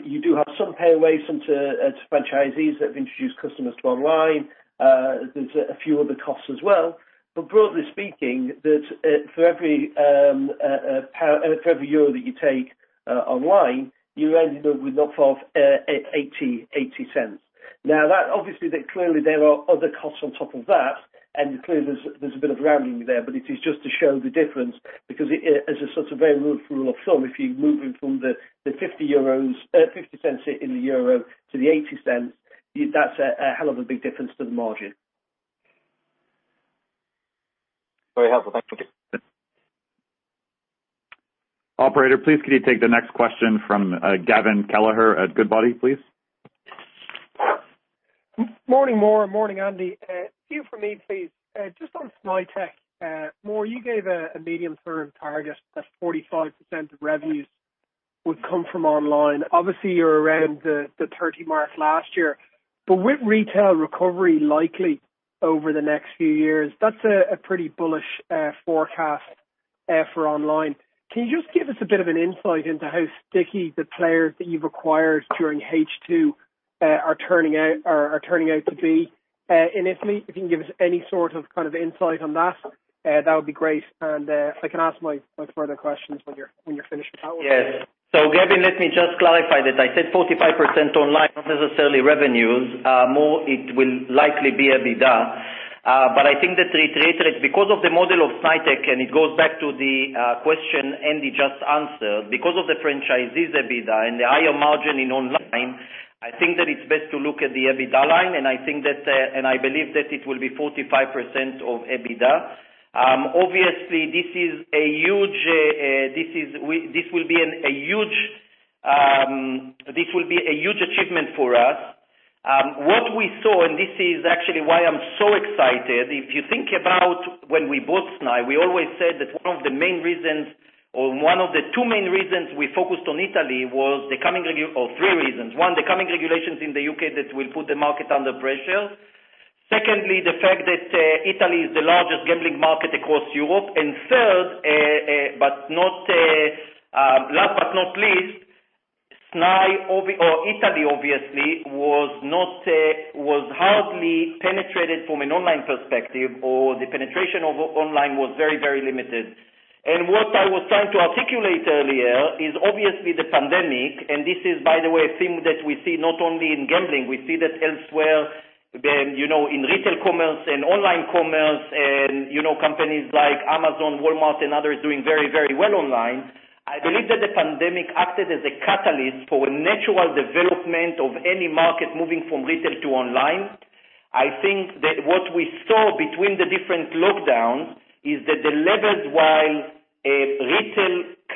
you do have some payaways to franchisees that have introduced customers to online. There's a few other costs as well. Broadly speaking, that for every EUR that you take online, you end up with 0.80. Obviously, clearly there are other costs on top of that, clearly there's a bit of rounding there, it is just to show the difference, because as a sort of very rough rule of thumb, if you're moving from the 0.50 in the EUR to the 0.80, that's a hell of a big difference to the margin. Very helpful. Thank you. Operator, please could you take the next question from Gavin Kelleher at Goodbody, please? Morning, Mor. Morning, Andy. Two from me, please. Just on Snaitech. Mor, you gave a medium-term target that 45% of revenues would come from online. Obviously, you were around the 30 mark last year. With retail recovery likely over the next few years, that's a pretty bullish forecast for online. Can you just give us a bit of an insight into how sticky the players that you've acquired during H2 are turning out to be in Italy? If you can give us any sort of insight on that would be great. I can ask my further questions when you're finished with that one. Yes. Gavin, let me just clarify that I said 45% online, not necessarily revenues. More it will likely be EBITDA. I think that to reiterate, because of the model of Snaitech, and it goes back to the question Andy just answered. Because of the franchise's EBITDA and the higher margin in online, I think that it's best to look at the EBITDA line, and I believe that it will be 45% of EBITDA. Obviously, this will be a huge achievement for us. What we saw, and this is actually why I'm so excited, if you think about when we bought Snai, we always said that one of the main reasons or one of the two main reasons we focused on Italy was the coming three reasons. One, the coming regulations in the U.K. that will put the market under pressure. Secondly, the fact that Italy is the largest gambling market across Europe. Third, last but not least, Italy obviously, was hardly penetrated from an online perspective, or the penetration of online was very limited. What I was trying to articulate earlier is obviously the pandemic, and this is, by the way, a theme that we see not only in gambling we see that elsewhere, in retail commerce and online commerce and companies like Amazon, Walmart, and others doing very well online. I believe that the pandemic acted as a catalyst for a natural development of any market moving from retail to online. I think that what we saw between the different lockdowns is that the levels, while retail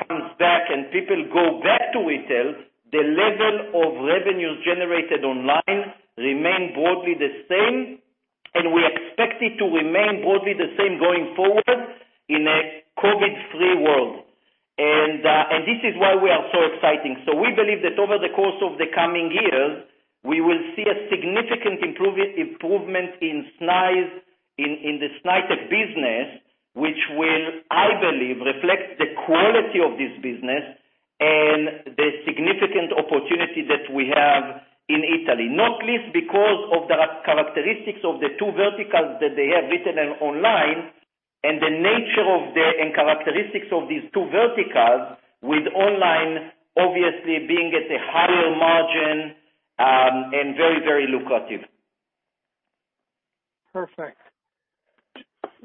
comes back and people go back to retail, the level of revenues generated online remain broadly the same, and we expect it to remain broadly the same going forward in a COVID-free world. This is why we are so exciting. We believe that over the course of the coming years, we will see a significant improvement in the Snaitech business, which will, I believe, reflect the quality of this business and the significant opportunity that we have in Italy. Not least because of the characteristics of the two verticals that they have, retail and online, and the nature and characteristics of these two verticals with online obviously being at a higher margin, and very lucrative. Perfect.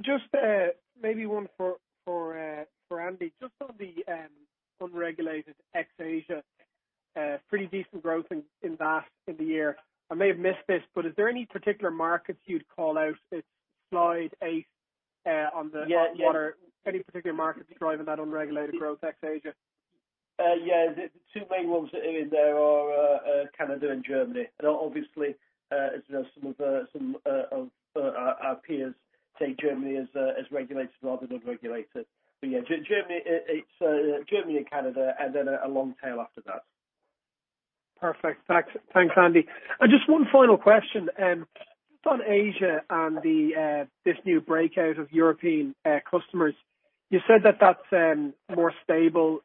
Just maybe one for Andy. Just on the unregulated ex Asia, pretty decent growth in that in the year. I may have missed this, but is there any particular markets you'd call out? It's slide eight on the hot water. Any particular markets driving that unregulated growth ex Asia? Yeah. The two main ones in there are Canada and Germany. Obviously, as some of our peers say, Germany is regulated rather than regulated. Yeah, Germany and Canada, and then a long tail after that. Perfect. Thanks, Andy. Just one final question, on Asia and this new breakout of European customers. You said that that's more stable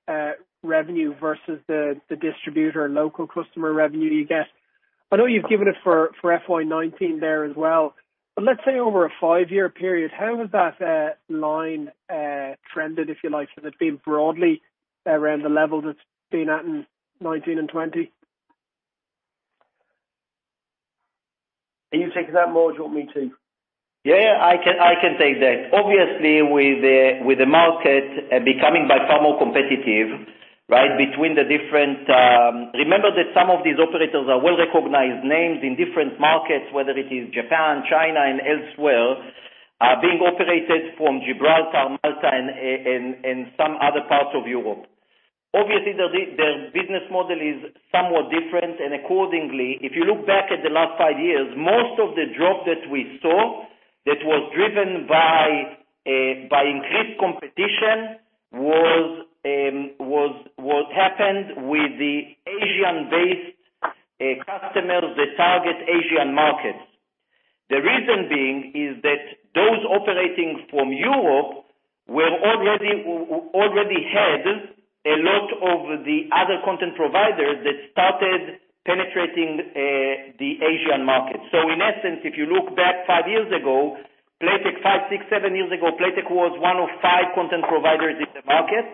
revenue versus the distributor and local customer revenue you get. I know you've given it for FY 2019 there as well. Let's say over a five-year period, how has that line trended, if you like? Has it been broadly around the level that it's been at in 2019 and 2020? Are you taking that, Mor, or do you want me to? Yeah. I can take that. Obviously, with the market becoming by far more competitive, remember that some of these operators are well-recognized names in different markets, whether it is Japan, China, and elsewhere, are being operated from Gibraltar, Malta, and some other parts of Europe. Obviously, their business model is somewhat different, and accordingly, if you look back at the last five years, most of the drop that we saw that was driven by increased competition happened with the Asian-based customers that target Asian markets. The reason being is that those operating from Europe already had a lot of the other content providers that started penetrating the Asian market. In essence, if you look back five, six, seven years ago, Playtech was one of five content providers in the market,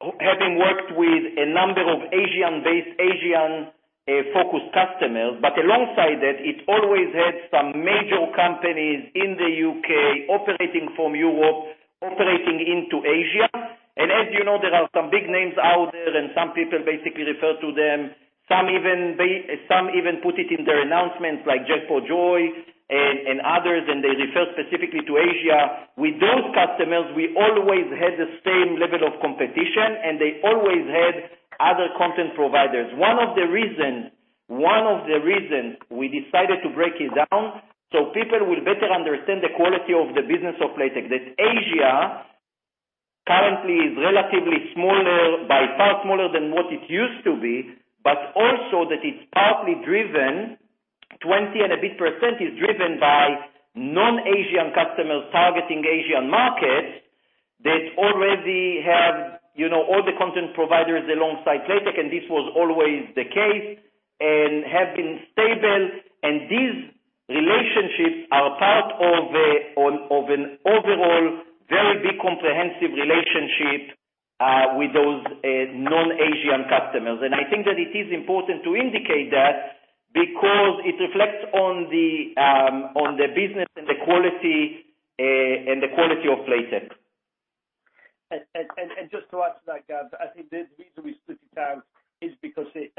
having worked with a number of Asian-based, Asian-focused customers. Alongside that, it always had some major companies in the U.K. operating from Europe, operating into Asia. As you know, there are some big names out there, some people basically refer to them. Some even put it in their announcements like Jackpotjoy and others. They refer specifically to Asia. With those customers, we always had the same level of competition. They always had other content providers. One of the reasons we decided to break it down so people will better understand the quality of the business of Playtech, that Asia currently is relatively smaller. Much smaller than what it used to be, but also that it's partly driven, 20 and a bit% is driven by non-Asian customers targeting Asian markets that already have all the content providers alongside Playtech. This was always the case, and have been stable. These relationships are part of an overall very big comprehensive relationship with those non-Asian customers. I think that it is important to indicate that because it reflects on the business and the quality of Playtech. Just to add to that, Gav, I think the reason we split it out is because it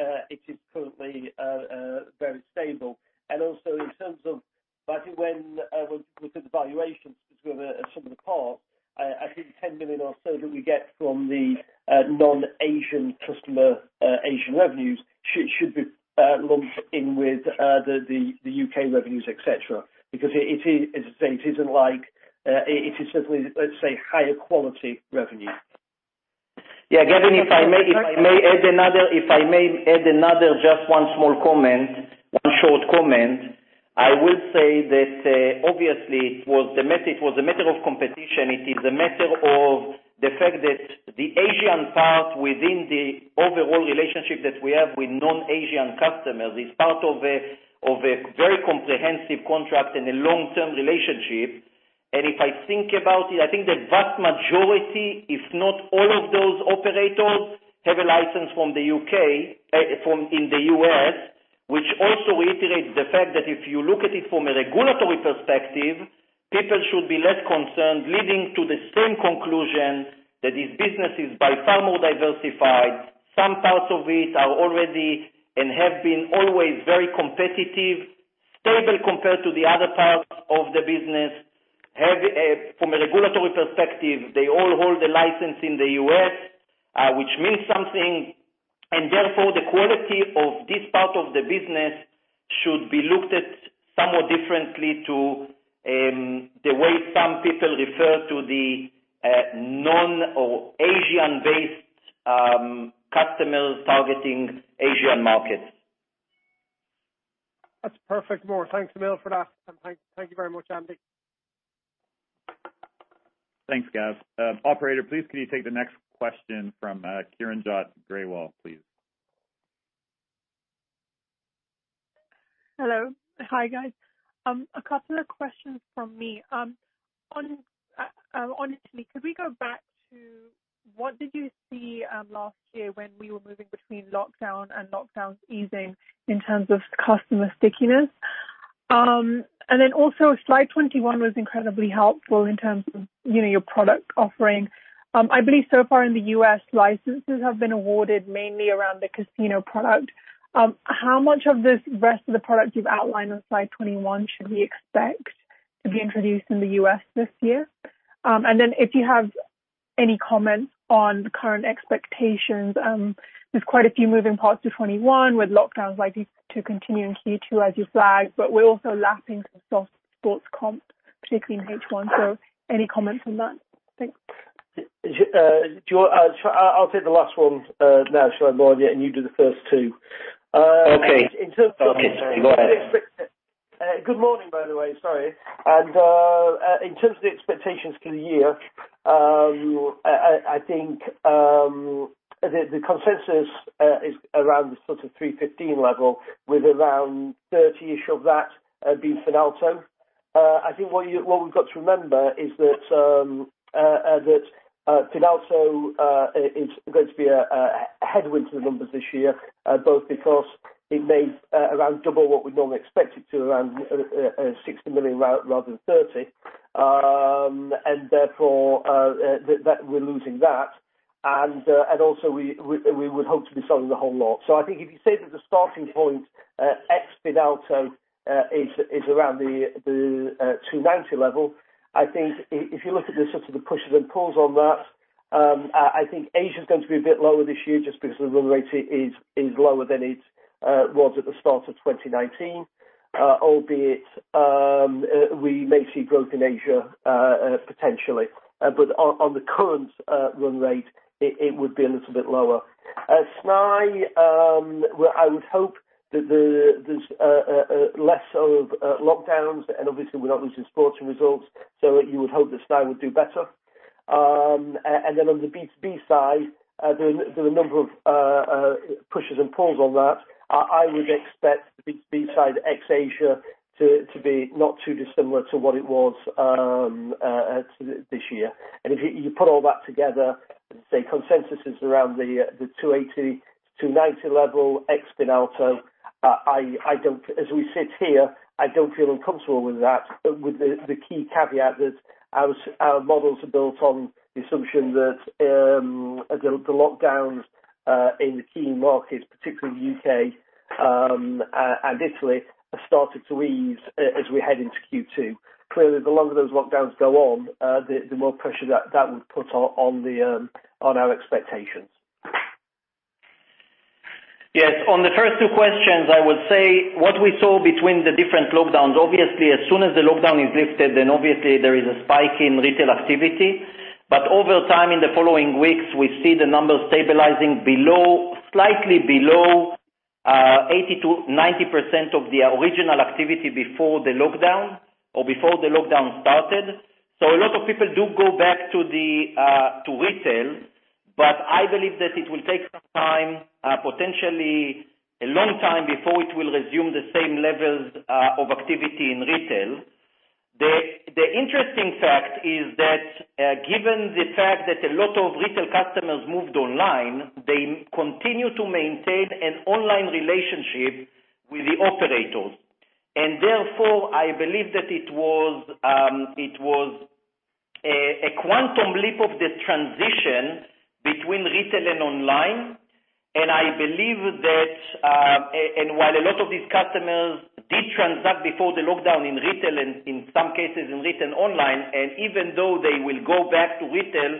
is currently very stable. Also in terms of, I think when, in terms of valuations with sum of the parts, I think the 10 million or so that we get from the non-Asian customer Asian revenues should be lumped in with the U.K. revenues, et cetera. As I say, it is certainly, let's say, higher quality revenue. Yeah, Gavin, if I may add another just one small comment, one short comment, I would say that obviously it was a matter of competition. It is a matter of the fact that the Asian part within the overall relationship that we have with non-Asian customers is part of a very comprehensive contract and a long-term relationship. If I think about it, I think the vast majority, if not all of those operators, have a license in the U.S., which also reiterates the fact that if you look at it from a regulatory perspective, people should be less concerned, leading to the same conclusion that this business is by far more diversified. Some parts of it are already and have been always very competitive, stable compared to the other parts of the business. From a regulatory perspective, they all hold a license in the U.S., which means something, and therefore the quality of this part of the business should be looked at somewhat differently to the way some people refer to the non- or Asian-based customers targeting Asian markets. That's perfect. Mor. Thanks a million for that. Thank you very much, Andy. Thanks, Gav. Operator, please could you take the next question from Kiranjot Grewal, please? Hello. Hi, guys. A couple of questions from me. Honestly, could we go back to what did you see last year when we were moving between lockdown and lockdowns easing in terms of customer stickiness? Then also, slide 21 was incredibly helpful in terms of your product offering. I believe so far in the U.S., licenses have been awarded mainly around the casino product. How much of this rest of the product you've outlined on slide 21 should we expect to be introduced in the U.S. this year? Then if you have any comments on the current expectations, there's quite a few moving parts to 2021 with lockdowns likely to continue into Q2 as you flagged, but we're also lapping some soft sports comp, particularly in H1. Any comments on that? Thanks. I'll take the last one now, shall I, Lauren, and you do the first two. Okay. In terms of- Okay. Go ahead. Good morning, by the way. Sorry. In terms of the expectations for the year, I think the consensus is around the sort of 315 level with around 30-ish of that being Finalto. I think what we've got to remember is that Finalto is going to be a headwind to the numbers this year, both because it made around double what we'd normally expect it to, around 60 million rather than 30, and therefore we're losing that. Also we would hope to be selling the whole lot. I think if you say that the starting point ex Finalto is around the 290 level, I think if you look at the sort of the pushes and pulls on that, I think Asia is going to be a bit lower this year just because the run rate is lower than it was at the start of 2019. We may see growth in Asia, potentially. On the current run rate, it would be a little bit lower. Snai, I would hope that there's less of lockdowns and obviously we're not losing sports results, so you would hope that Snai would do better. On the B2B side, there are a number of pushes and pulls on that. I would expect the B2B side ex Asia to be not too dissimilar to what it was this year. If you put all that together, say consensus is around the 280-290 level, ex Finalto, as we sit here, I don't feel uncomfortable with that, with the key caveat that our models are built on the assumption that the lockdowns in the key markets, particularly the U.K. and Italy, have started to ease as we head into Q2. Clearly, the longer those lockdowns go on, the more pressure that would put on our expectations. Yes. On the first two questions, I would say what we saw between the different lockdowns, obviously, as soon as the lockdown is lifted, obviously there is a spike in retail activity. Over time, in the following weeks, we see the numbers stabilizing slightly below 80%-90% of the original activity before the lockdown or before the lockdown started. A lot of people do go back to retail, but I believe that it will take some time, potentially a long time before it will resume the same levels of activity in retail. The interesting fact is that, given the fact that a lot of retail customers moved online, they continue to maintain an online relationship with the operators. Therefore, I believe that it was a quantum leap of the transition between retail and online. While a lot of these customers did transact before the lockdown in retail and in some cases in retail online, and even though they will go back to retail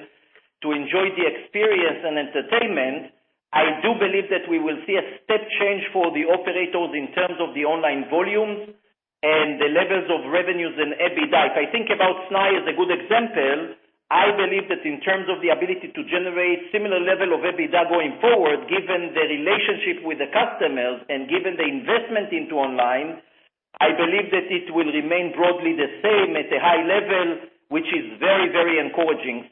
to enjoy the experience and entertainment, I do believe that we will see a step change for the operators in terms of the online volumes and the levels of revenues and EBITDA. If I think about Snai as a good example, I believe that in terms of the ability to generate similar level of EBITDA going forward, given the relationship with the customers and given the investment into online, I believe that it will remain broadly the same at a high level, which is very encouraging.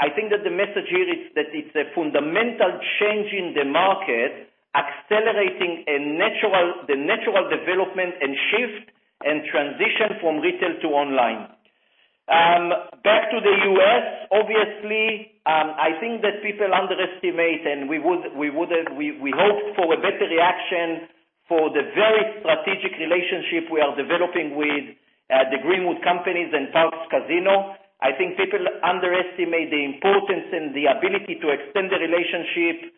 I think that the message here is that it's a fundamental change in the market, accelerating the natural development and shift and transition from retail to online. Back to the U.S., obviously, I think that people underestimate and we hope for a better reaction for the very strategic relationship we are developing with Greenwood Gaming and Entertainment Inc. and Parx Casino. I think people underestimate the importance and the ability to extend the relationship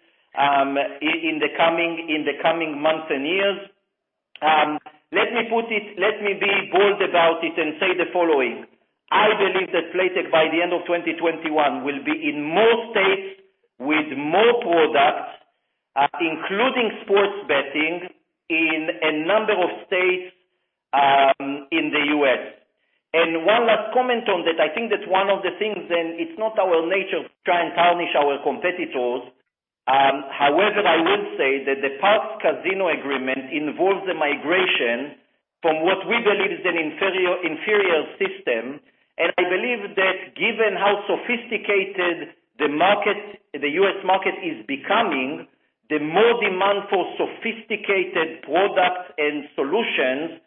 in the coming months and years. Let me be bold about it and say the following. I believe that Playtech, by the end of 2021, will be in more states with more products, including sports betting in a number of states in the U.S. One last comment on that, I think that one of the things, and it's not our nature to try and tarnish our competitors. However, I would say that the Parx Casino agreement involves a migration from what we believe is an inferior system. I believe that given how sophisticated the U.S. market is becoming, the more demand for sophisticated products and solutions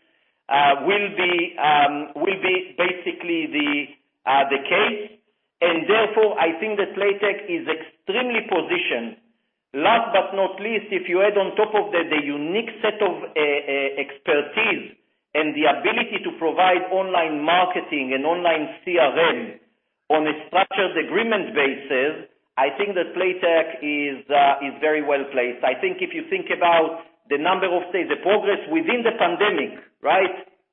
will be basically the case. Therefore, I think that Playtech is extremely positioned. Last but not least, if you add on top of that, the unique set of expertise and the ability to provide online marketing and online CRM on a structured agreement basis, I think that Playtech is very well-placed. I think if you think about the number of states, the progress within the pandemic.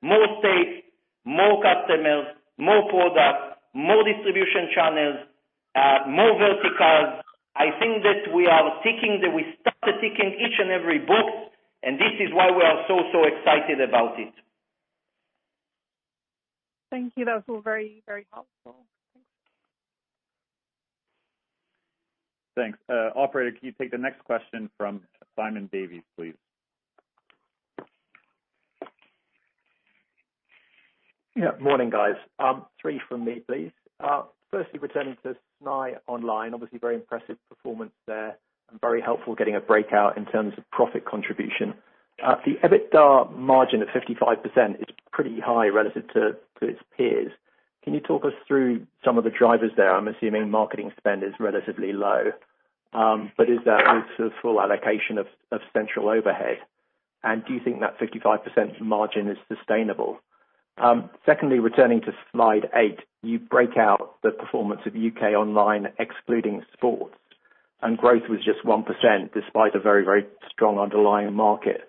More states, more customers, more products, more distribution channels, more verticals. I think that we started ticking each and every box, and this is why we are so excited about it. Thank you. That was very helpful. Thanks. Thanks. Operator, can you take the next question from Simon Davies, please? Morning, guys. Three from me, please. Firstly, returning to Snai Online, obviously, very impressive performance there and very helpful getting a breakout in terms of profit contribution. The EBITDA margin of 55% is pretty high relative to its peers. Is that also full allocation of central overhead? Do you think that 55% margin is sustainable? Secondly, returning to slide eight, you break out the performance of U.K. Online excluding sports, and growth was just 1% despite a very strong underlying market.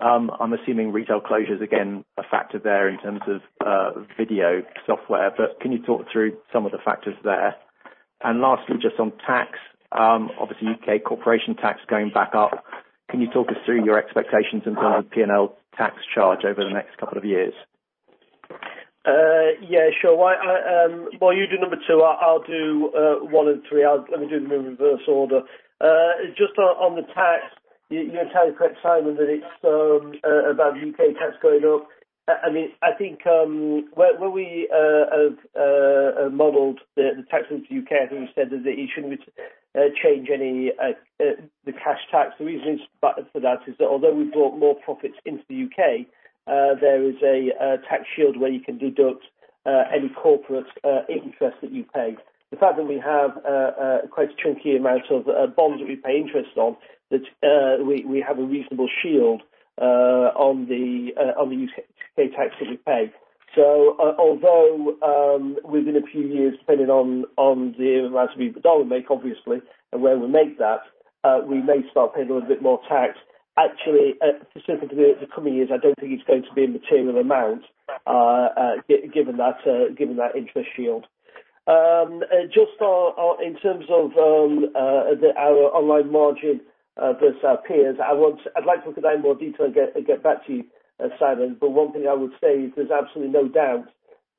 I'm assuming retail closures, again, a factor there in terms of video software. Can you talk through some of the factors there? Lastly, just on tax, obviously U.K. corporation tax going back up. Can you talk us through your expectations in terms of P&L tax charge over the next couple of years? Yeah, sure. While you do number two, I'll do one and three. Let me do them in reverse order. Just on the tax, you're entirely correct, Simon, about U.K. tax going up. I think where we have modeled the tax into U.K., as we said, that it shouldn't change any the cash tax. The reason for that is that although we brought more profits into the U.K., there is a tax shield where you can deduct any corporate interest that you pay. The fact that we have quite a chunky amount of bonds that we pay interest on, that we have a reasonable shield on the U.K. tax that we pay. Although, within a few years, depending on the amount of dollar make, obviously, and where we make that, we may start paying a little bit more tax. Actually, specifically the coming years, I don't think it's going to be a material amount. Given that interest shield. Just in terms of our online margin versus our peers, I'd like to look at that in more detail and get back to you, Simon. One thing I would say is there's absolutely no doubt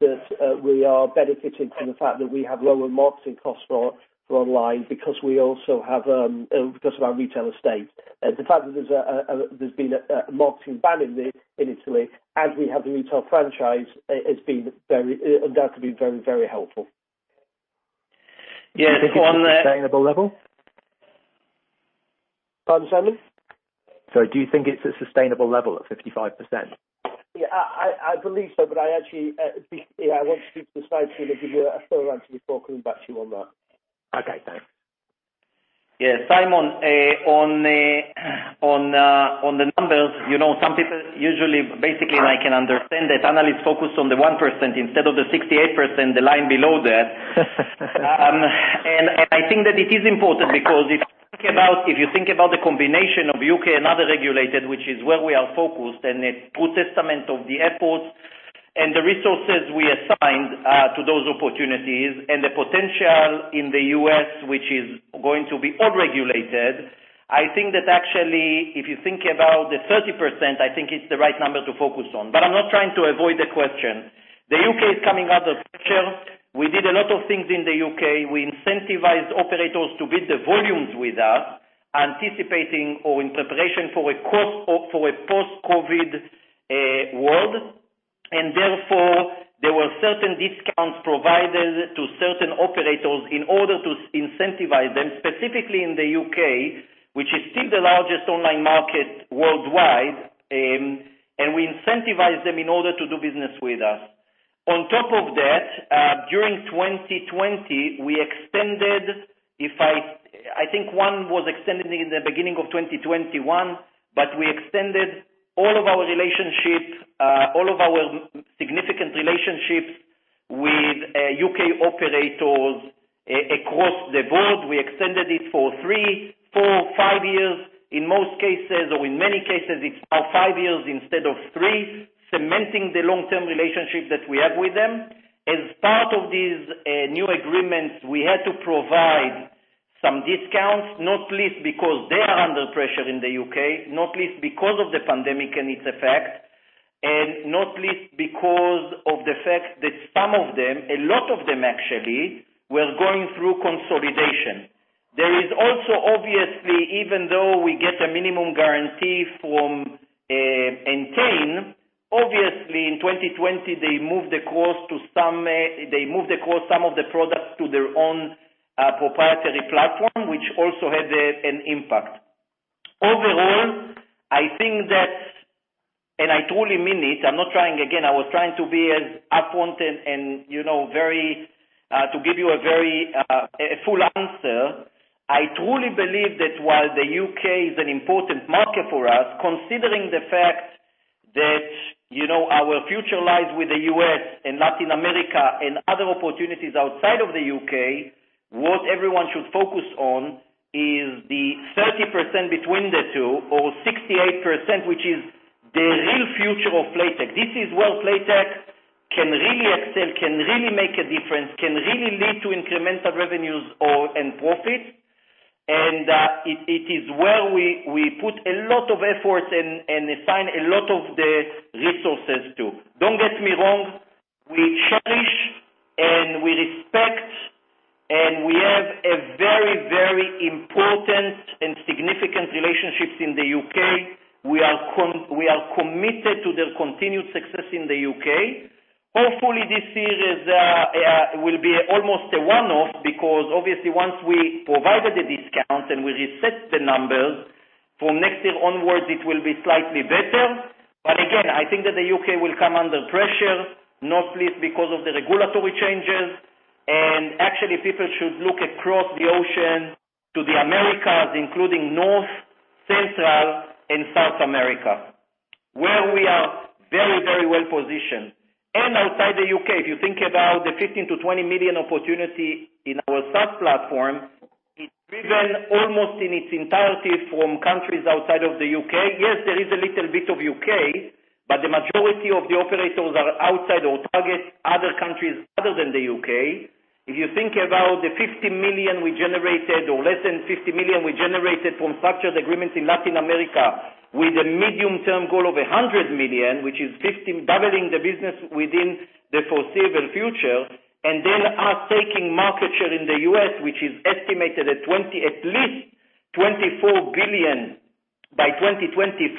that we are benefiting from the fact that we have lower marketing costs for online because of our retail estate. The fact that there's been a marketing ban in Italy, and we have the retail franchise, has been undoubtedly very helpful. Do you think it's a sustainable level? Pardon, Simon? Sorry, do you think it's a sustainable level at 55%? I believe so, actually, I want to speak to the slide so we can give you a full answer before coming back to you on that. Okay. Thanks. Yeah, Simon, on the numbers, some people usually. Basically, I can understand that analysts focus on the 1% instead of the 68%, the line below that. I think that it is important because if you think about the combination of U.K. and other regulated, which is where we are focused, and the true testament of the efforts and the resources we assigned to those opportunities and the potential in the U.S., which is going to be all regulated, I think that actually, if you think about the 30%, I think it's the right number to focus on. I'm not trying to avoid the question. The U.K. is coming out of picture. We did a lot of things in the U.K. We incentivized operators to build the volumes with us, anticipating or in preparation for a post-COVID world. Therefore, there were certain discounts provided to certain operators in order to incentivize them, specifically in the U.K., which is still the largest online market worldwide. We incentivize them in order to do business with us. On top of that, during 2020, we extended, I think one was extended in the beginning of 2021, but we extended all of our significant relationships with U.K. operators across the board. We extended it for three, four, five years. In most cases or in many cases, it's now five years instead of three, cementing the long-term relationship that we have with them. As part of these new agreements, we had to provide some discounts, not least because they are under pressure in the U.K., not least because of the pandemic and its effect, and not least because of the fact that some of them, a lot of them actually, were going through consolidation. There is also, obviously, even though we get a minimum guarantee from Entain, obviously in 2020, they moved across some of the products to their own proprietary platform, which also had an impact. Overall, I think that, and I truly mean it, I'm not trying. Again, I was trying to be as upfront and to give you a very full answer. I truly believe that while the U.K. is an important market for us, considering the fact that our future lies with the U.S. and Latin America and other opportunities outside of the U.K., what everyone should focus on is the 30% between the two or 68%, which is the real future of Playtech. This is where Playtech can really excel, can really make a difference, can really lead to incremental revenues and profit. It is where we put a lot of effort and assign a lot of the resources to. Don't get me wrong, we cherish and we respect and we have a very important and significant relationships in the U.K. We are committed to their continued success in the U.K. Hopefully, this year will be almost a one-off because obviously once we provided the discount and we reset the numbers, from next year onwards it will be slightly better. Again, I think that the U.K. will come under pressure, not least because of the regulatory changes. Actually, people should look across the ocean to the Americas, including North, Central, and South America, where we are very well-positioned. Outside the U.K., if you think about the 15 million-20 million opportunity in our SaaS platform, it's driven almost in its entirety from countries outside of the U.K. Yes, there is a little bit of U.K., but the majority of the operators are outside or target other countries other than the U.K. If you think about the 50 million we generated or less than 50 million we generated from structured agreements in Latin America with a medium-term goal of 100 million, which is doubling the business within the foreseeable future, us taking market share in the U.S., which is estimated at least $24 billion by 2025.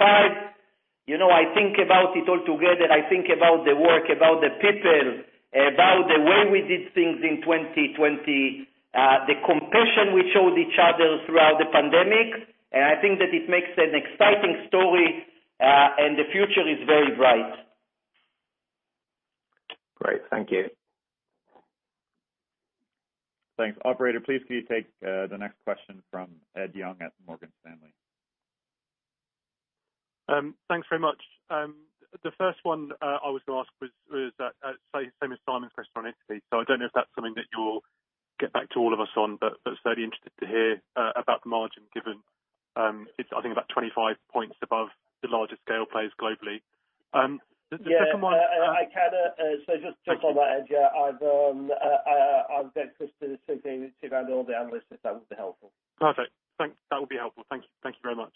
I think about it all together. I think about the work, about the people, about the way we did things in 2020, the compassion we showed each other throughout the pandemic. I think that it makes an exciting story, and the future is very bright. Great. Thank you. Thanks. Operator, please can you take the next question from Ed Young at Morgan Stanley? Thanks very much. The first one I was going to ask was the same as Simon's question on Italy. I don't know if that's something that you'll get back to all of us on, but I'd be interested to hear about the margin given it's, I think, about 25 points above the largest scale players globally. The second one- Just to jump on that, Ed, I've then pushed the same thing to Randall and the analysts, if that would be helpful. Perfect. That would be helpful. Thank you very much.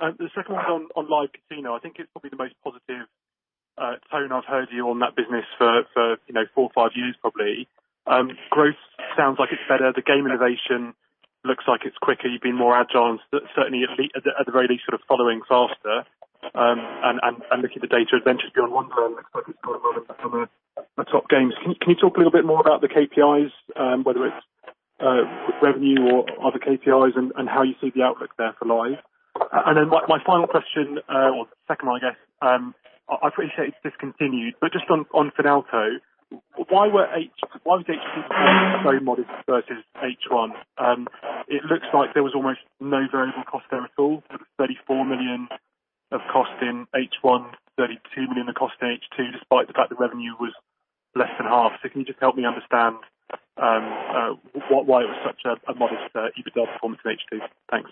The second one on Live Casino, I think it's probably the most positive tone I've heard you on that business for four or five years, probably. Growth sounds like it's better. The game innovation looks like it's quicker. You've been more agile, and certainly, at the very least, sort of following faster. Looking at the data, top games. Can you talk a little bit more about the KPIs, whether it's revenue or other KPIs, and how you see the outlook there for live? Then my final question, or second one, I guess. I appreciate it's discontinued, but just on Finalto, why was H2 so modest versus H1? It looks like there was almost no variable cost there at all, sort of 34 million of cost in H1, 32 million of cost in H2, despite the fact the revenue was less than half. Can you just help me understand why it was such a modest EBITDA performance in H2? Thanks.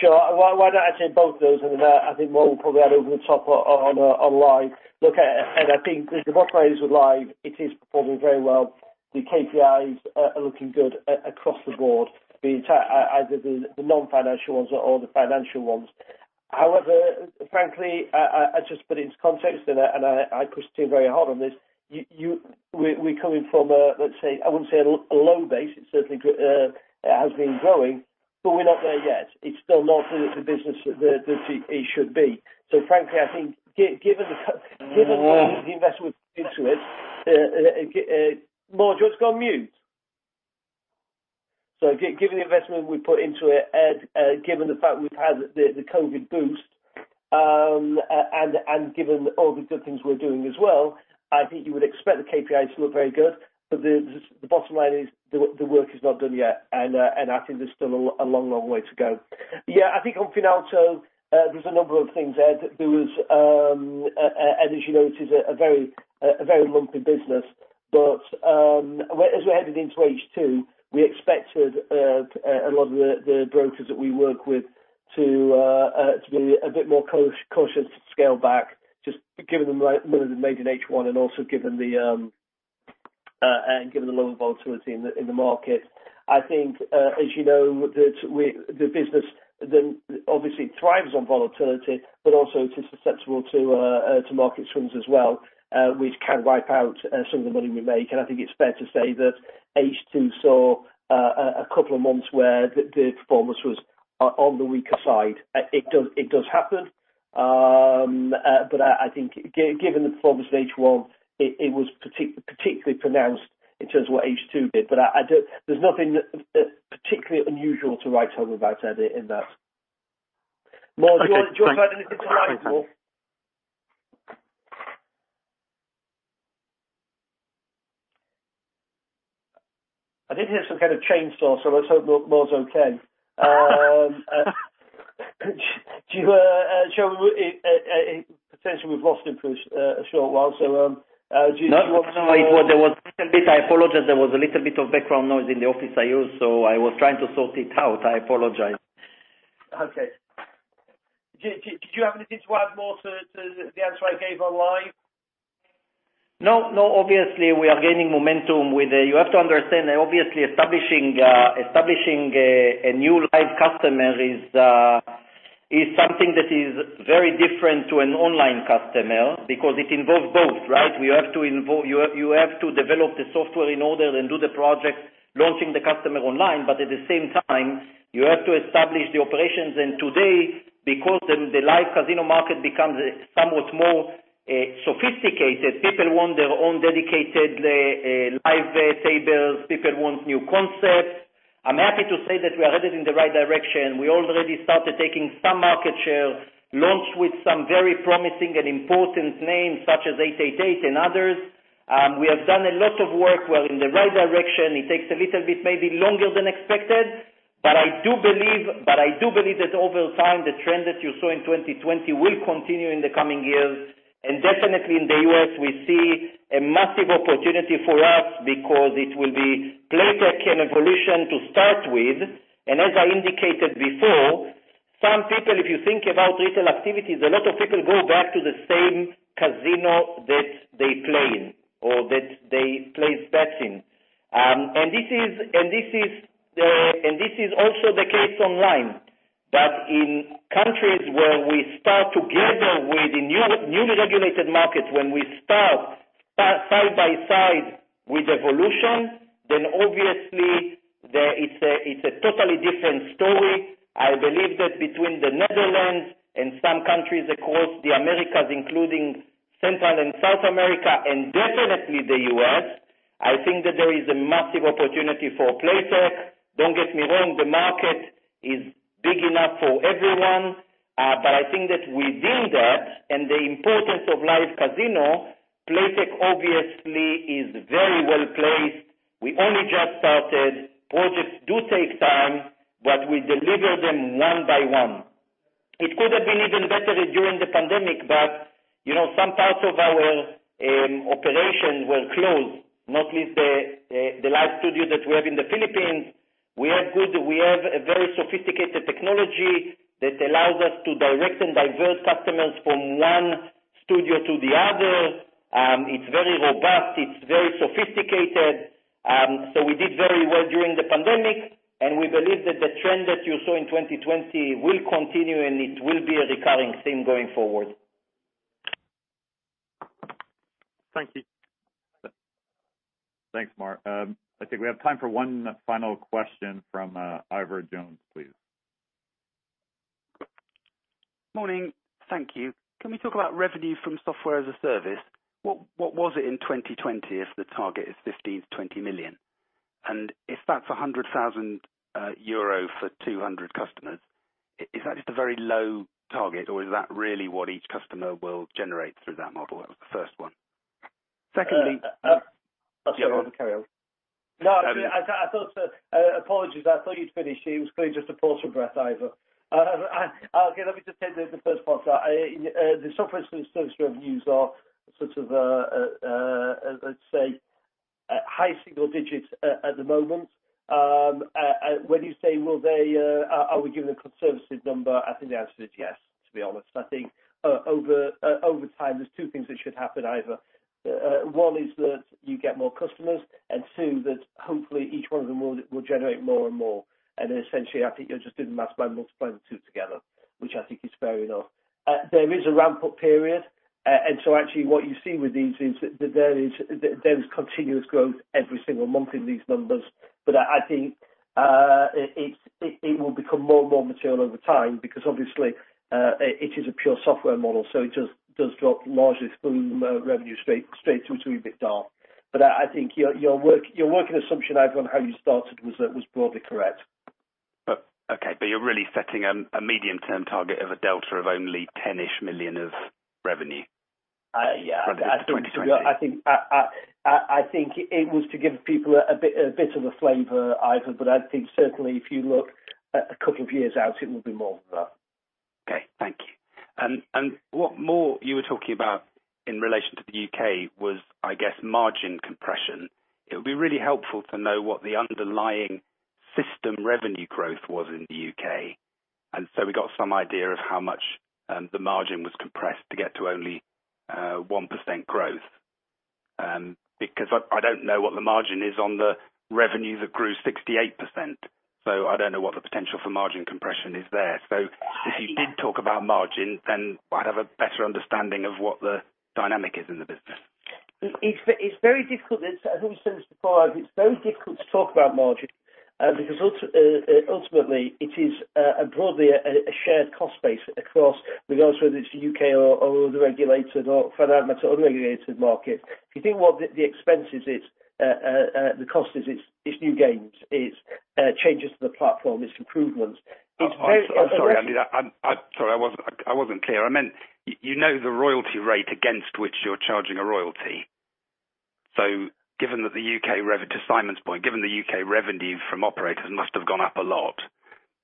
Sure. Why don't I take both those. I think Mor will probably add over the top on Live. Look, I think the bottom line is with Live, it is performing very well. The KPIs are looking good across the board, either the non-financial ones or the financial ones. However, frankly, I just put it into context, and I pushed him very hard on this. We're coming from a, let's say, I wouldn't say a low base. It certainly has been growing. We're not there yet. It's still not the business that it should be. Frankly, I think given the investment into it. Mor, do you want to go on mute? Given the investment we put into it, Ed, given the fact we've had the COVID boost, and given all the good things we're doing as well, I think you would expect the KPIs to look very good. The bottom line is, the work is not done yet, and I think there's still a long, long way to go. Yeah, I think on Finalto, there's a number of things, Ed. As you know, it is a very lumpy business. As we headed into H2, we expected a lot of the brokers that we work with to be a bit more cautious to scale back, just given the money they made in H1 and also given the low volatility in the market. I think, as you know, the business obviously thrives on volatility, also it is susceptible to market swings as well, which can wipe out some of the money we make. I think it's fair to say that H2 saw a couple of months where the performance was on the weaker side. It does happen. I think given the performance of H1, it was particularly pronounced in terms of what H2 did. There's nothing particularly unusual to write home about, Ed, in that. Mor, do you want to add anything to that as well? I did hear some kind of chainsaw, let's hope Mor is okay. potentially we've lost him for a short while. Do you want to? I apologize. There was a little bit of background noise in the office I use. I was trying to sort it out. I apologize. Okay. Did you have anything to add more to the answer I gave on Live? No, obviously, we are gaining momentum with it. You have to understand that obviously establishing a new Live customer is something that is very different to an online customer because it involves both, right? You have to develop the software in order and do the project launching the customer online, but at the same time, you have to establish the operations. Today, because the Live Casino market becomes somewhat more sophisticated, people want their own dedicated Live tables. People want new concepts. I'm happy to say that we are headed in the right direction. We already started taking some market share, launched with some very promising and important names such as 888 and others. We have done a lot of work. We're in the right direction. It takes a little bit maybe longer than expected. I do believe that over time, the trend that you saw in 2020 will continue in the coming years. Definitely in the U.S., we see a massive opportunity for us because it will be Playtech and Evolution to start with. As I indicated before, some people, if you think about retail activities, a lot of people go back to the same casino that they play in or that they place bets in. This is also the case online, that in countries where we start together with the newly regulated markets, when we start side by side with Evolution, then obviously it's a totally different story. I believe that between the Netherlands and some countries across the Americas, including Central and South America, and definitely the U.S., I think that there is a massive opportunity for Playtech. Don't get me wrong, the market is big enough for everyone. I think that within that, and the importance of Live Casino, Playtech obviously is very well-placed. We only just started. Projects do take time, we deliver them one by one. It could have been even better during the pandemic, but some parts of our operation were closed, not least the Live studio that we have in the Philippines. We have a very sophisticated technology that allows us to direct and divert customers from one studio to the other. It's very robust, it's very sophisticated. We did very well during the pandemic, and we believe that the trend that you saw in 2020 will continue, and it will be a recurring theme going forward. Thank you. Thanks, Mark. I think we have time for one final question from Ivor Jones, please. Morning. Thank you. Can we talk about revenue from Software as a Service? What was it in 2020, if the target is 15 million-20 million? If that's 100,000 euro for 200 customers, is that just a very low target, or is that really what each customer will generate through that model? That was the first one. Secondly. Sorry, carry on. Apologies. I thought you'd finished. It was clearly just a pause for breath, Ivor. Let me just take the first part. The software as a service revenues are sort of, let's say, high single digits at the moment. When you say, are we giving a conservative number, I think the answer is yes, to be honest. I think over time, there's two things that should happen, Ivor. One is that you get more customers, and two, that hopefully each one of them will generate more and more. Essentially, I think you're just doing the math by multiplying the two together, which I think is fair enough. There is a ramp-up period, and so actually, what you see with these is that there is continuous growth every single month in these numbers. I think it will become more and more material over time because obviously it is a pure software model, so it just does drop largely through revenue straight to EBITDA. I think your working assumption, Ivor, on how you started was broadly correct. Okay, you're really setting a medium-term target of a delta of only 10-ish million of revenue? Yeah For 2020. I think it was to give people a bit of a flavor, Ivor, but I think certainly if you look a couple of years out, it will be more than that. Okay. Thank you. What more you were talking about in relation to the U.K. was, I guess, margin compression. It would be really helpful to know what the underlying system revenue growth was in the U.K. We got some idea of how much the margin was compressed to get to only 1% growth. I don't know what the margin is on the revenue that grew 68%. I don't know what the potential for margin compression is there. If you did talk about margin, then I'd have a better understanding of what the dynamic is in the business. Ivor, since you asked, it's very difficult to talk about margin because ultimately it is broadly a shared cost base across, regardless whether it's the U.K. or other regulated or fundamental unregulated markets. If you think what the expense is, the cost is, it's new games, it's changes to the platform, it's improvements. I'm sorry. I wasn't clear. I meant, you know the royalty rate against which you're charging a royalty. To Simon's point, given the U.K. revenue from operators must have gone up a lot,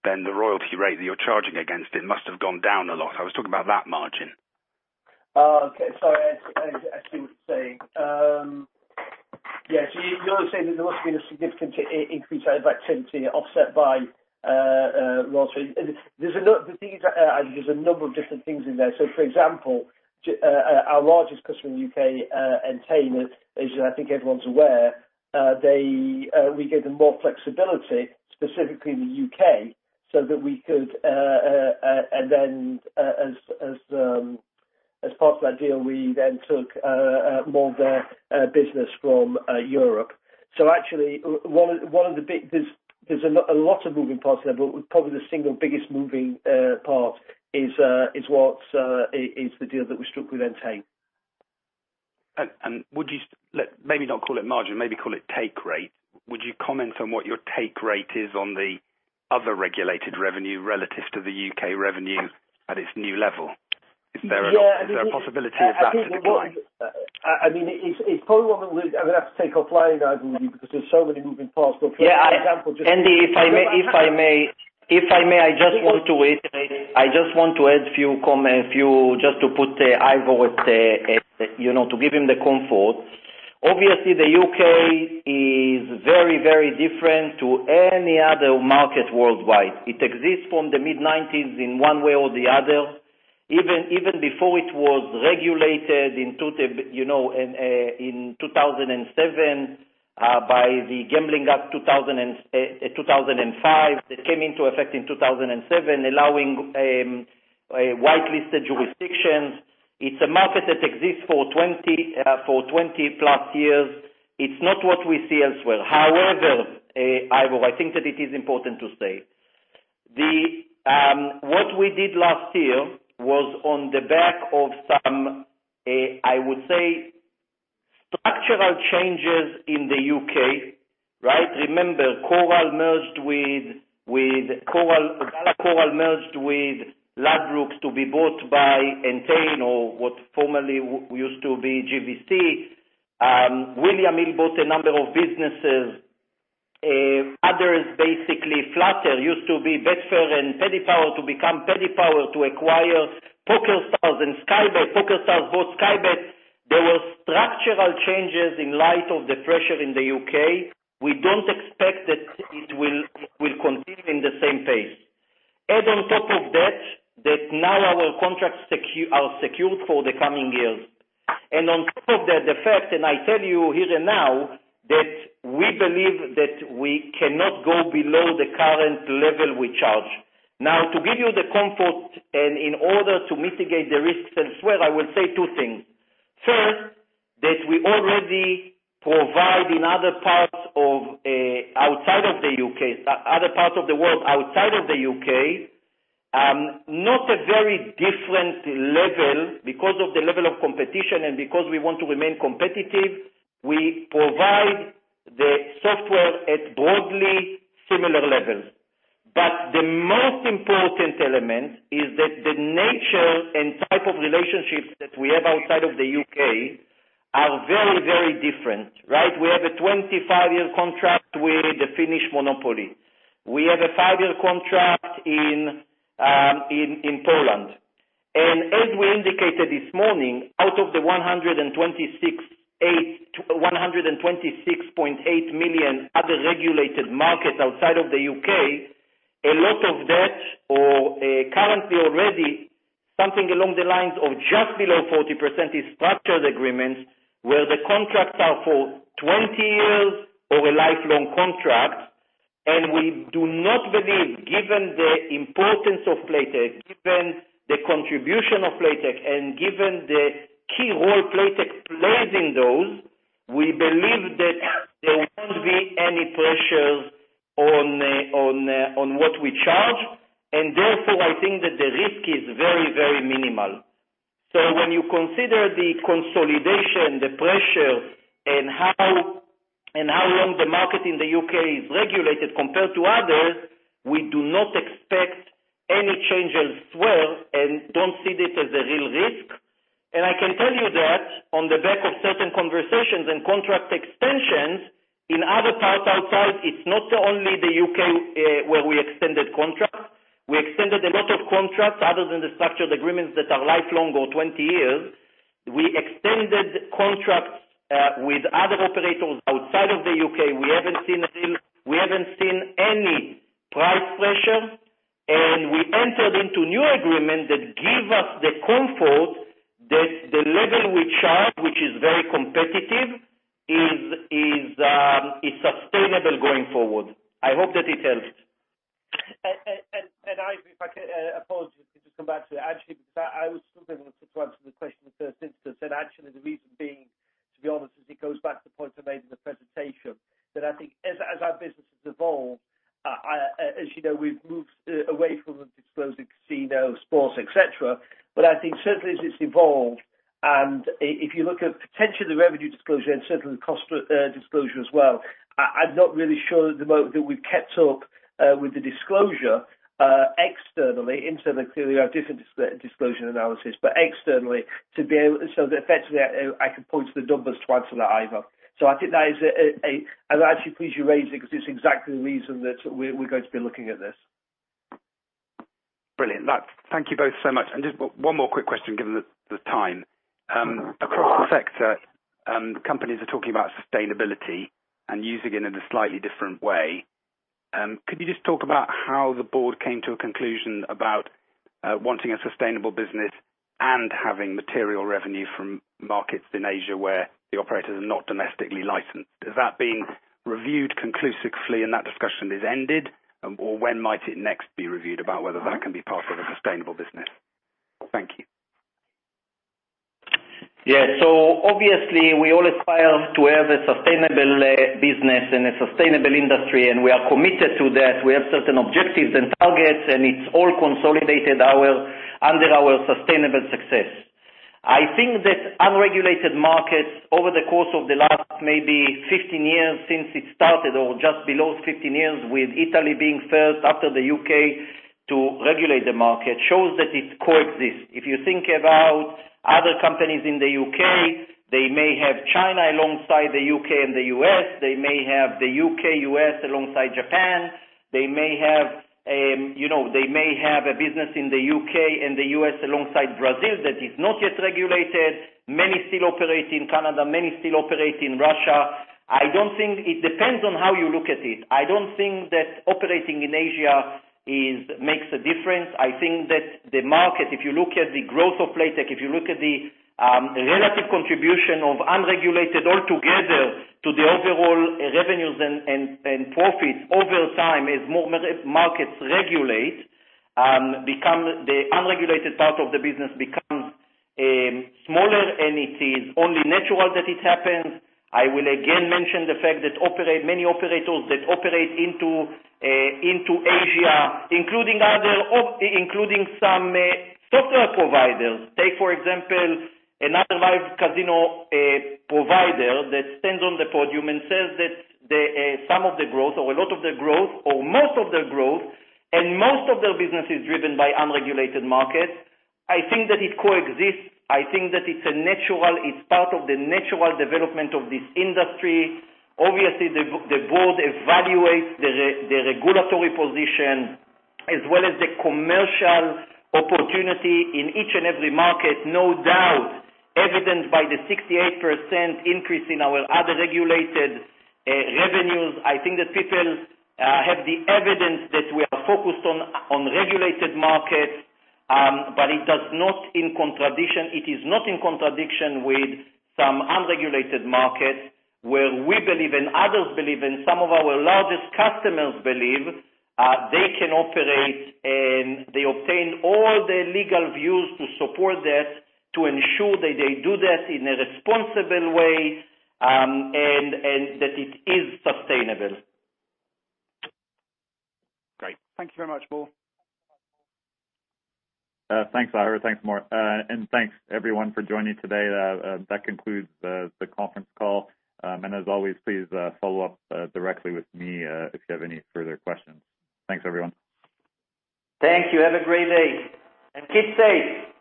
then the royalty rate that you're charging against it must have gone down a lot. I was talking about that margin. Okay. Sorry, I see what you're saying. Yes, you're saying that there must have been a significant increase of activity offset by royalty. Ivor, there's a number of different things in there. For example, our largest customer in the U.K., Entain, as I think everyone's aware, we gave them more flexibility, specifically in the U.K., and then as part of that deal, we then took more of their business from Europe. Actually, there's a lot of moving parts there, but probably the single biggest moving part is the deal that we struck with Entain. Maybe not call it margin, maybe call it take rate. Would you comment on what your take rate is on the other regulated revenue relative to the U.K. revenue at its new level? Is there a possibility of that decline? Ivor, I'm going to have to take offline, Ivor, with you because there's so many moving parts. Andy, if I may, I just want to add a few comments just to put Ivor at. To give him the comfort. Obviously, the U.K. is very, very different to any other market worldwide. It exists from the mid-1990s in one way or the other, even before it was regulated in 2007 by the Gambling Act 2005 that came into effect in 2007, allowing a whitelisted jurisdictions. It's a market that exists for 20-plus years. It's not what we see elsewhere. However, Ivor, I think that it is important to say, what we did last year was on the back of some, I would say, structural changes in the U.K., right? Remember, Coral merged with Ladbrokes to be bought by Entain or what formerly used to be GVC. William Hill bought a number of businesses. Others, basically Flutter, used to be Betfair and Paddy Power to become Paddy Power to acquire PokerStars and Sky Bet. PokerStars bought Sky Bet. There were structural changes in light of the pressure in the U.K. We don't expect that it will continue in the same pace. On top of that now our contracts are secured for the coming years. On top of that, the fact, and I tell you here and now, that we believe that we cannot go below the current level we charge. To give you the comfort and in order to mitigate the risks elsewhere, I will say two things. First, that we already provide in other parts of the world outside of the U.K., not a very different level because of the level of competition and because we want to remain competitive, we provide the software at broadly similar levels. The most important element is that the nature and type of relationships that we have outside of the U.K. are very, very different. We have a 25-year contract with the Finnish Monopoly. We have a five-year contract in Poland. As we indicated this morning, out of the 126.8 million other regulated markets outside of the U.K., a lot of that or currently already something along the lines of just below 40% is structured agreements where the contracts are for 20 years or a lifelong contract. We do not believe, given the importance of Playtech, given the contribution of Playtech, and given the key role Playtech plays in those, we believe that there won't be any pressures on what we charge. Therefore, I think that the risk is very, very minimal. When you consider the consolidation, the pressure, and how long the market in the U.K. is regulated compared to others, we do not expect any change elsewhere and don't see this as a real risk. I can tell you that on the back of certain conversations and contract extensions in other parts outside, it's not only the U.K. where we extended contracts. We extended a lot of contracts other than the structured agreements that are lifelong or 20 years. We extended contracts with other operators outside of the U.K. We haven't seen any price pressure, and we entered into new agreement that give us the comfort that the level we charge, which is very competitive, is sustainable going forward. I hope that it helps. Ivor, if I could apologize and just come back to that, actually, because I was struggling to answer the question in the first instance. Actually, the reason being, to be honest, is it goes back to the point I made in the presentation, that I think as our business has evolved, as you know, we've moved away from disclosing casino, sports, et cetera. I think certainly as it's evolved, and if you look at potentially the revenue disclosure and certainly the cost disclosure as well, I'm not really sure at the moment that we've kept up with the disclosure externally. Internally, clearly, we have different disclosure analysis. Externally, effectively, I can point to the numbers to answer that, Ivor. I think that is a-- Actually, I'm pleased you raised it because it's exactly the reason that we're going to be looking at this. Brilliant. Thank you both so much. Just one more quick question, given the time. Across the sector, companies are talking about sustainability and using it in a slightly different way. Could you just talk about how the board came to a conclusion about wanting a sustainable business and having material revenue from markets in Asia where the operators are not domestically licensed? Is that being reviewed conclusively and that discussion is ended? When might it next be reviewed about whether that can be part of a sustainable business? Thank you. Yeah. Obviously, we all aspire to have a sustainable business and a sustainable industry, and we are committed to that. We have certain objectives and targets, and it's all consolidated under our Sustainable Success. I think that unregulated markets over the course of the last maybe 15 years since it started, or just below 15 years, with Italy being first after the U.K. to regulate the market, shows that it coexists. If you think about other companies in the U.K., they may have China alongside the U.K. and the U.S. They may have the U.K., U.S. alongside Japan. They may have a business in the U.K. and the U.S. alongside Brazil that is not yet regulated. Many still operate in Canada, many still operate in Russia. It depends on how you look at it. I don't think that operating in Asia makes a difference. I think that the market, if you look at the growth of Playtech, if you look at the relative contribution of unregulated altogether to the overall revenues and profits over time as more markets regulate, the unregulated part of the business becomes smaller, and it is only natural that it happens. I will again mention the fact that many operators that operate into Asia, including some software providers. Take, for example, another live casino provider that stands on the podium and says that some of the growth or a lot of the growth or most of their growth and most of their business is driven by unregulated markets. I think that it coexists. I think that it's part of the natural development of this industry. The board evaluates the regulatory position as well as the commercial opportunity in each and every market, no doubt evidenced by the 68% increase in our other regulated revenues. I think that people have the evidence that we are focused on regulated markets, it is not in contradiction with some unregulated markets where we believe and others believe and some of our largest customers believe they can operate, and they obtain all the legal views to support that, to ensure that they do that in a responsible way and that it is sustainable. Great. Thank you very much, both. Thanks, Ivor. Thanks, Mor. Thanks, everyone, for joining today. That concludes the conference call. As always, please follow up directly with me if you have any further questions. Thanks, everyone. Thank you. Have a great day, and keep safe.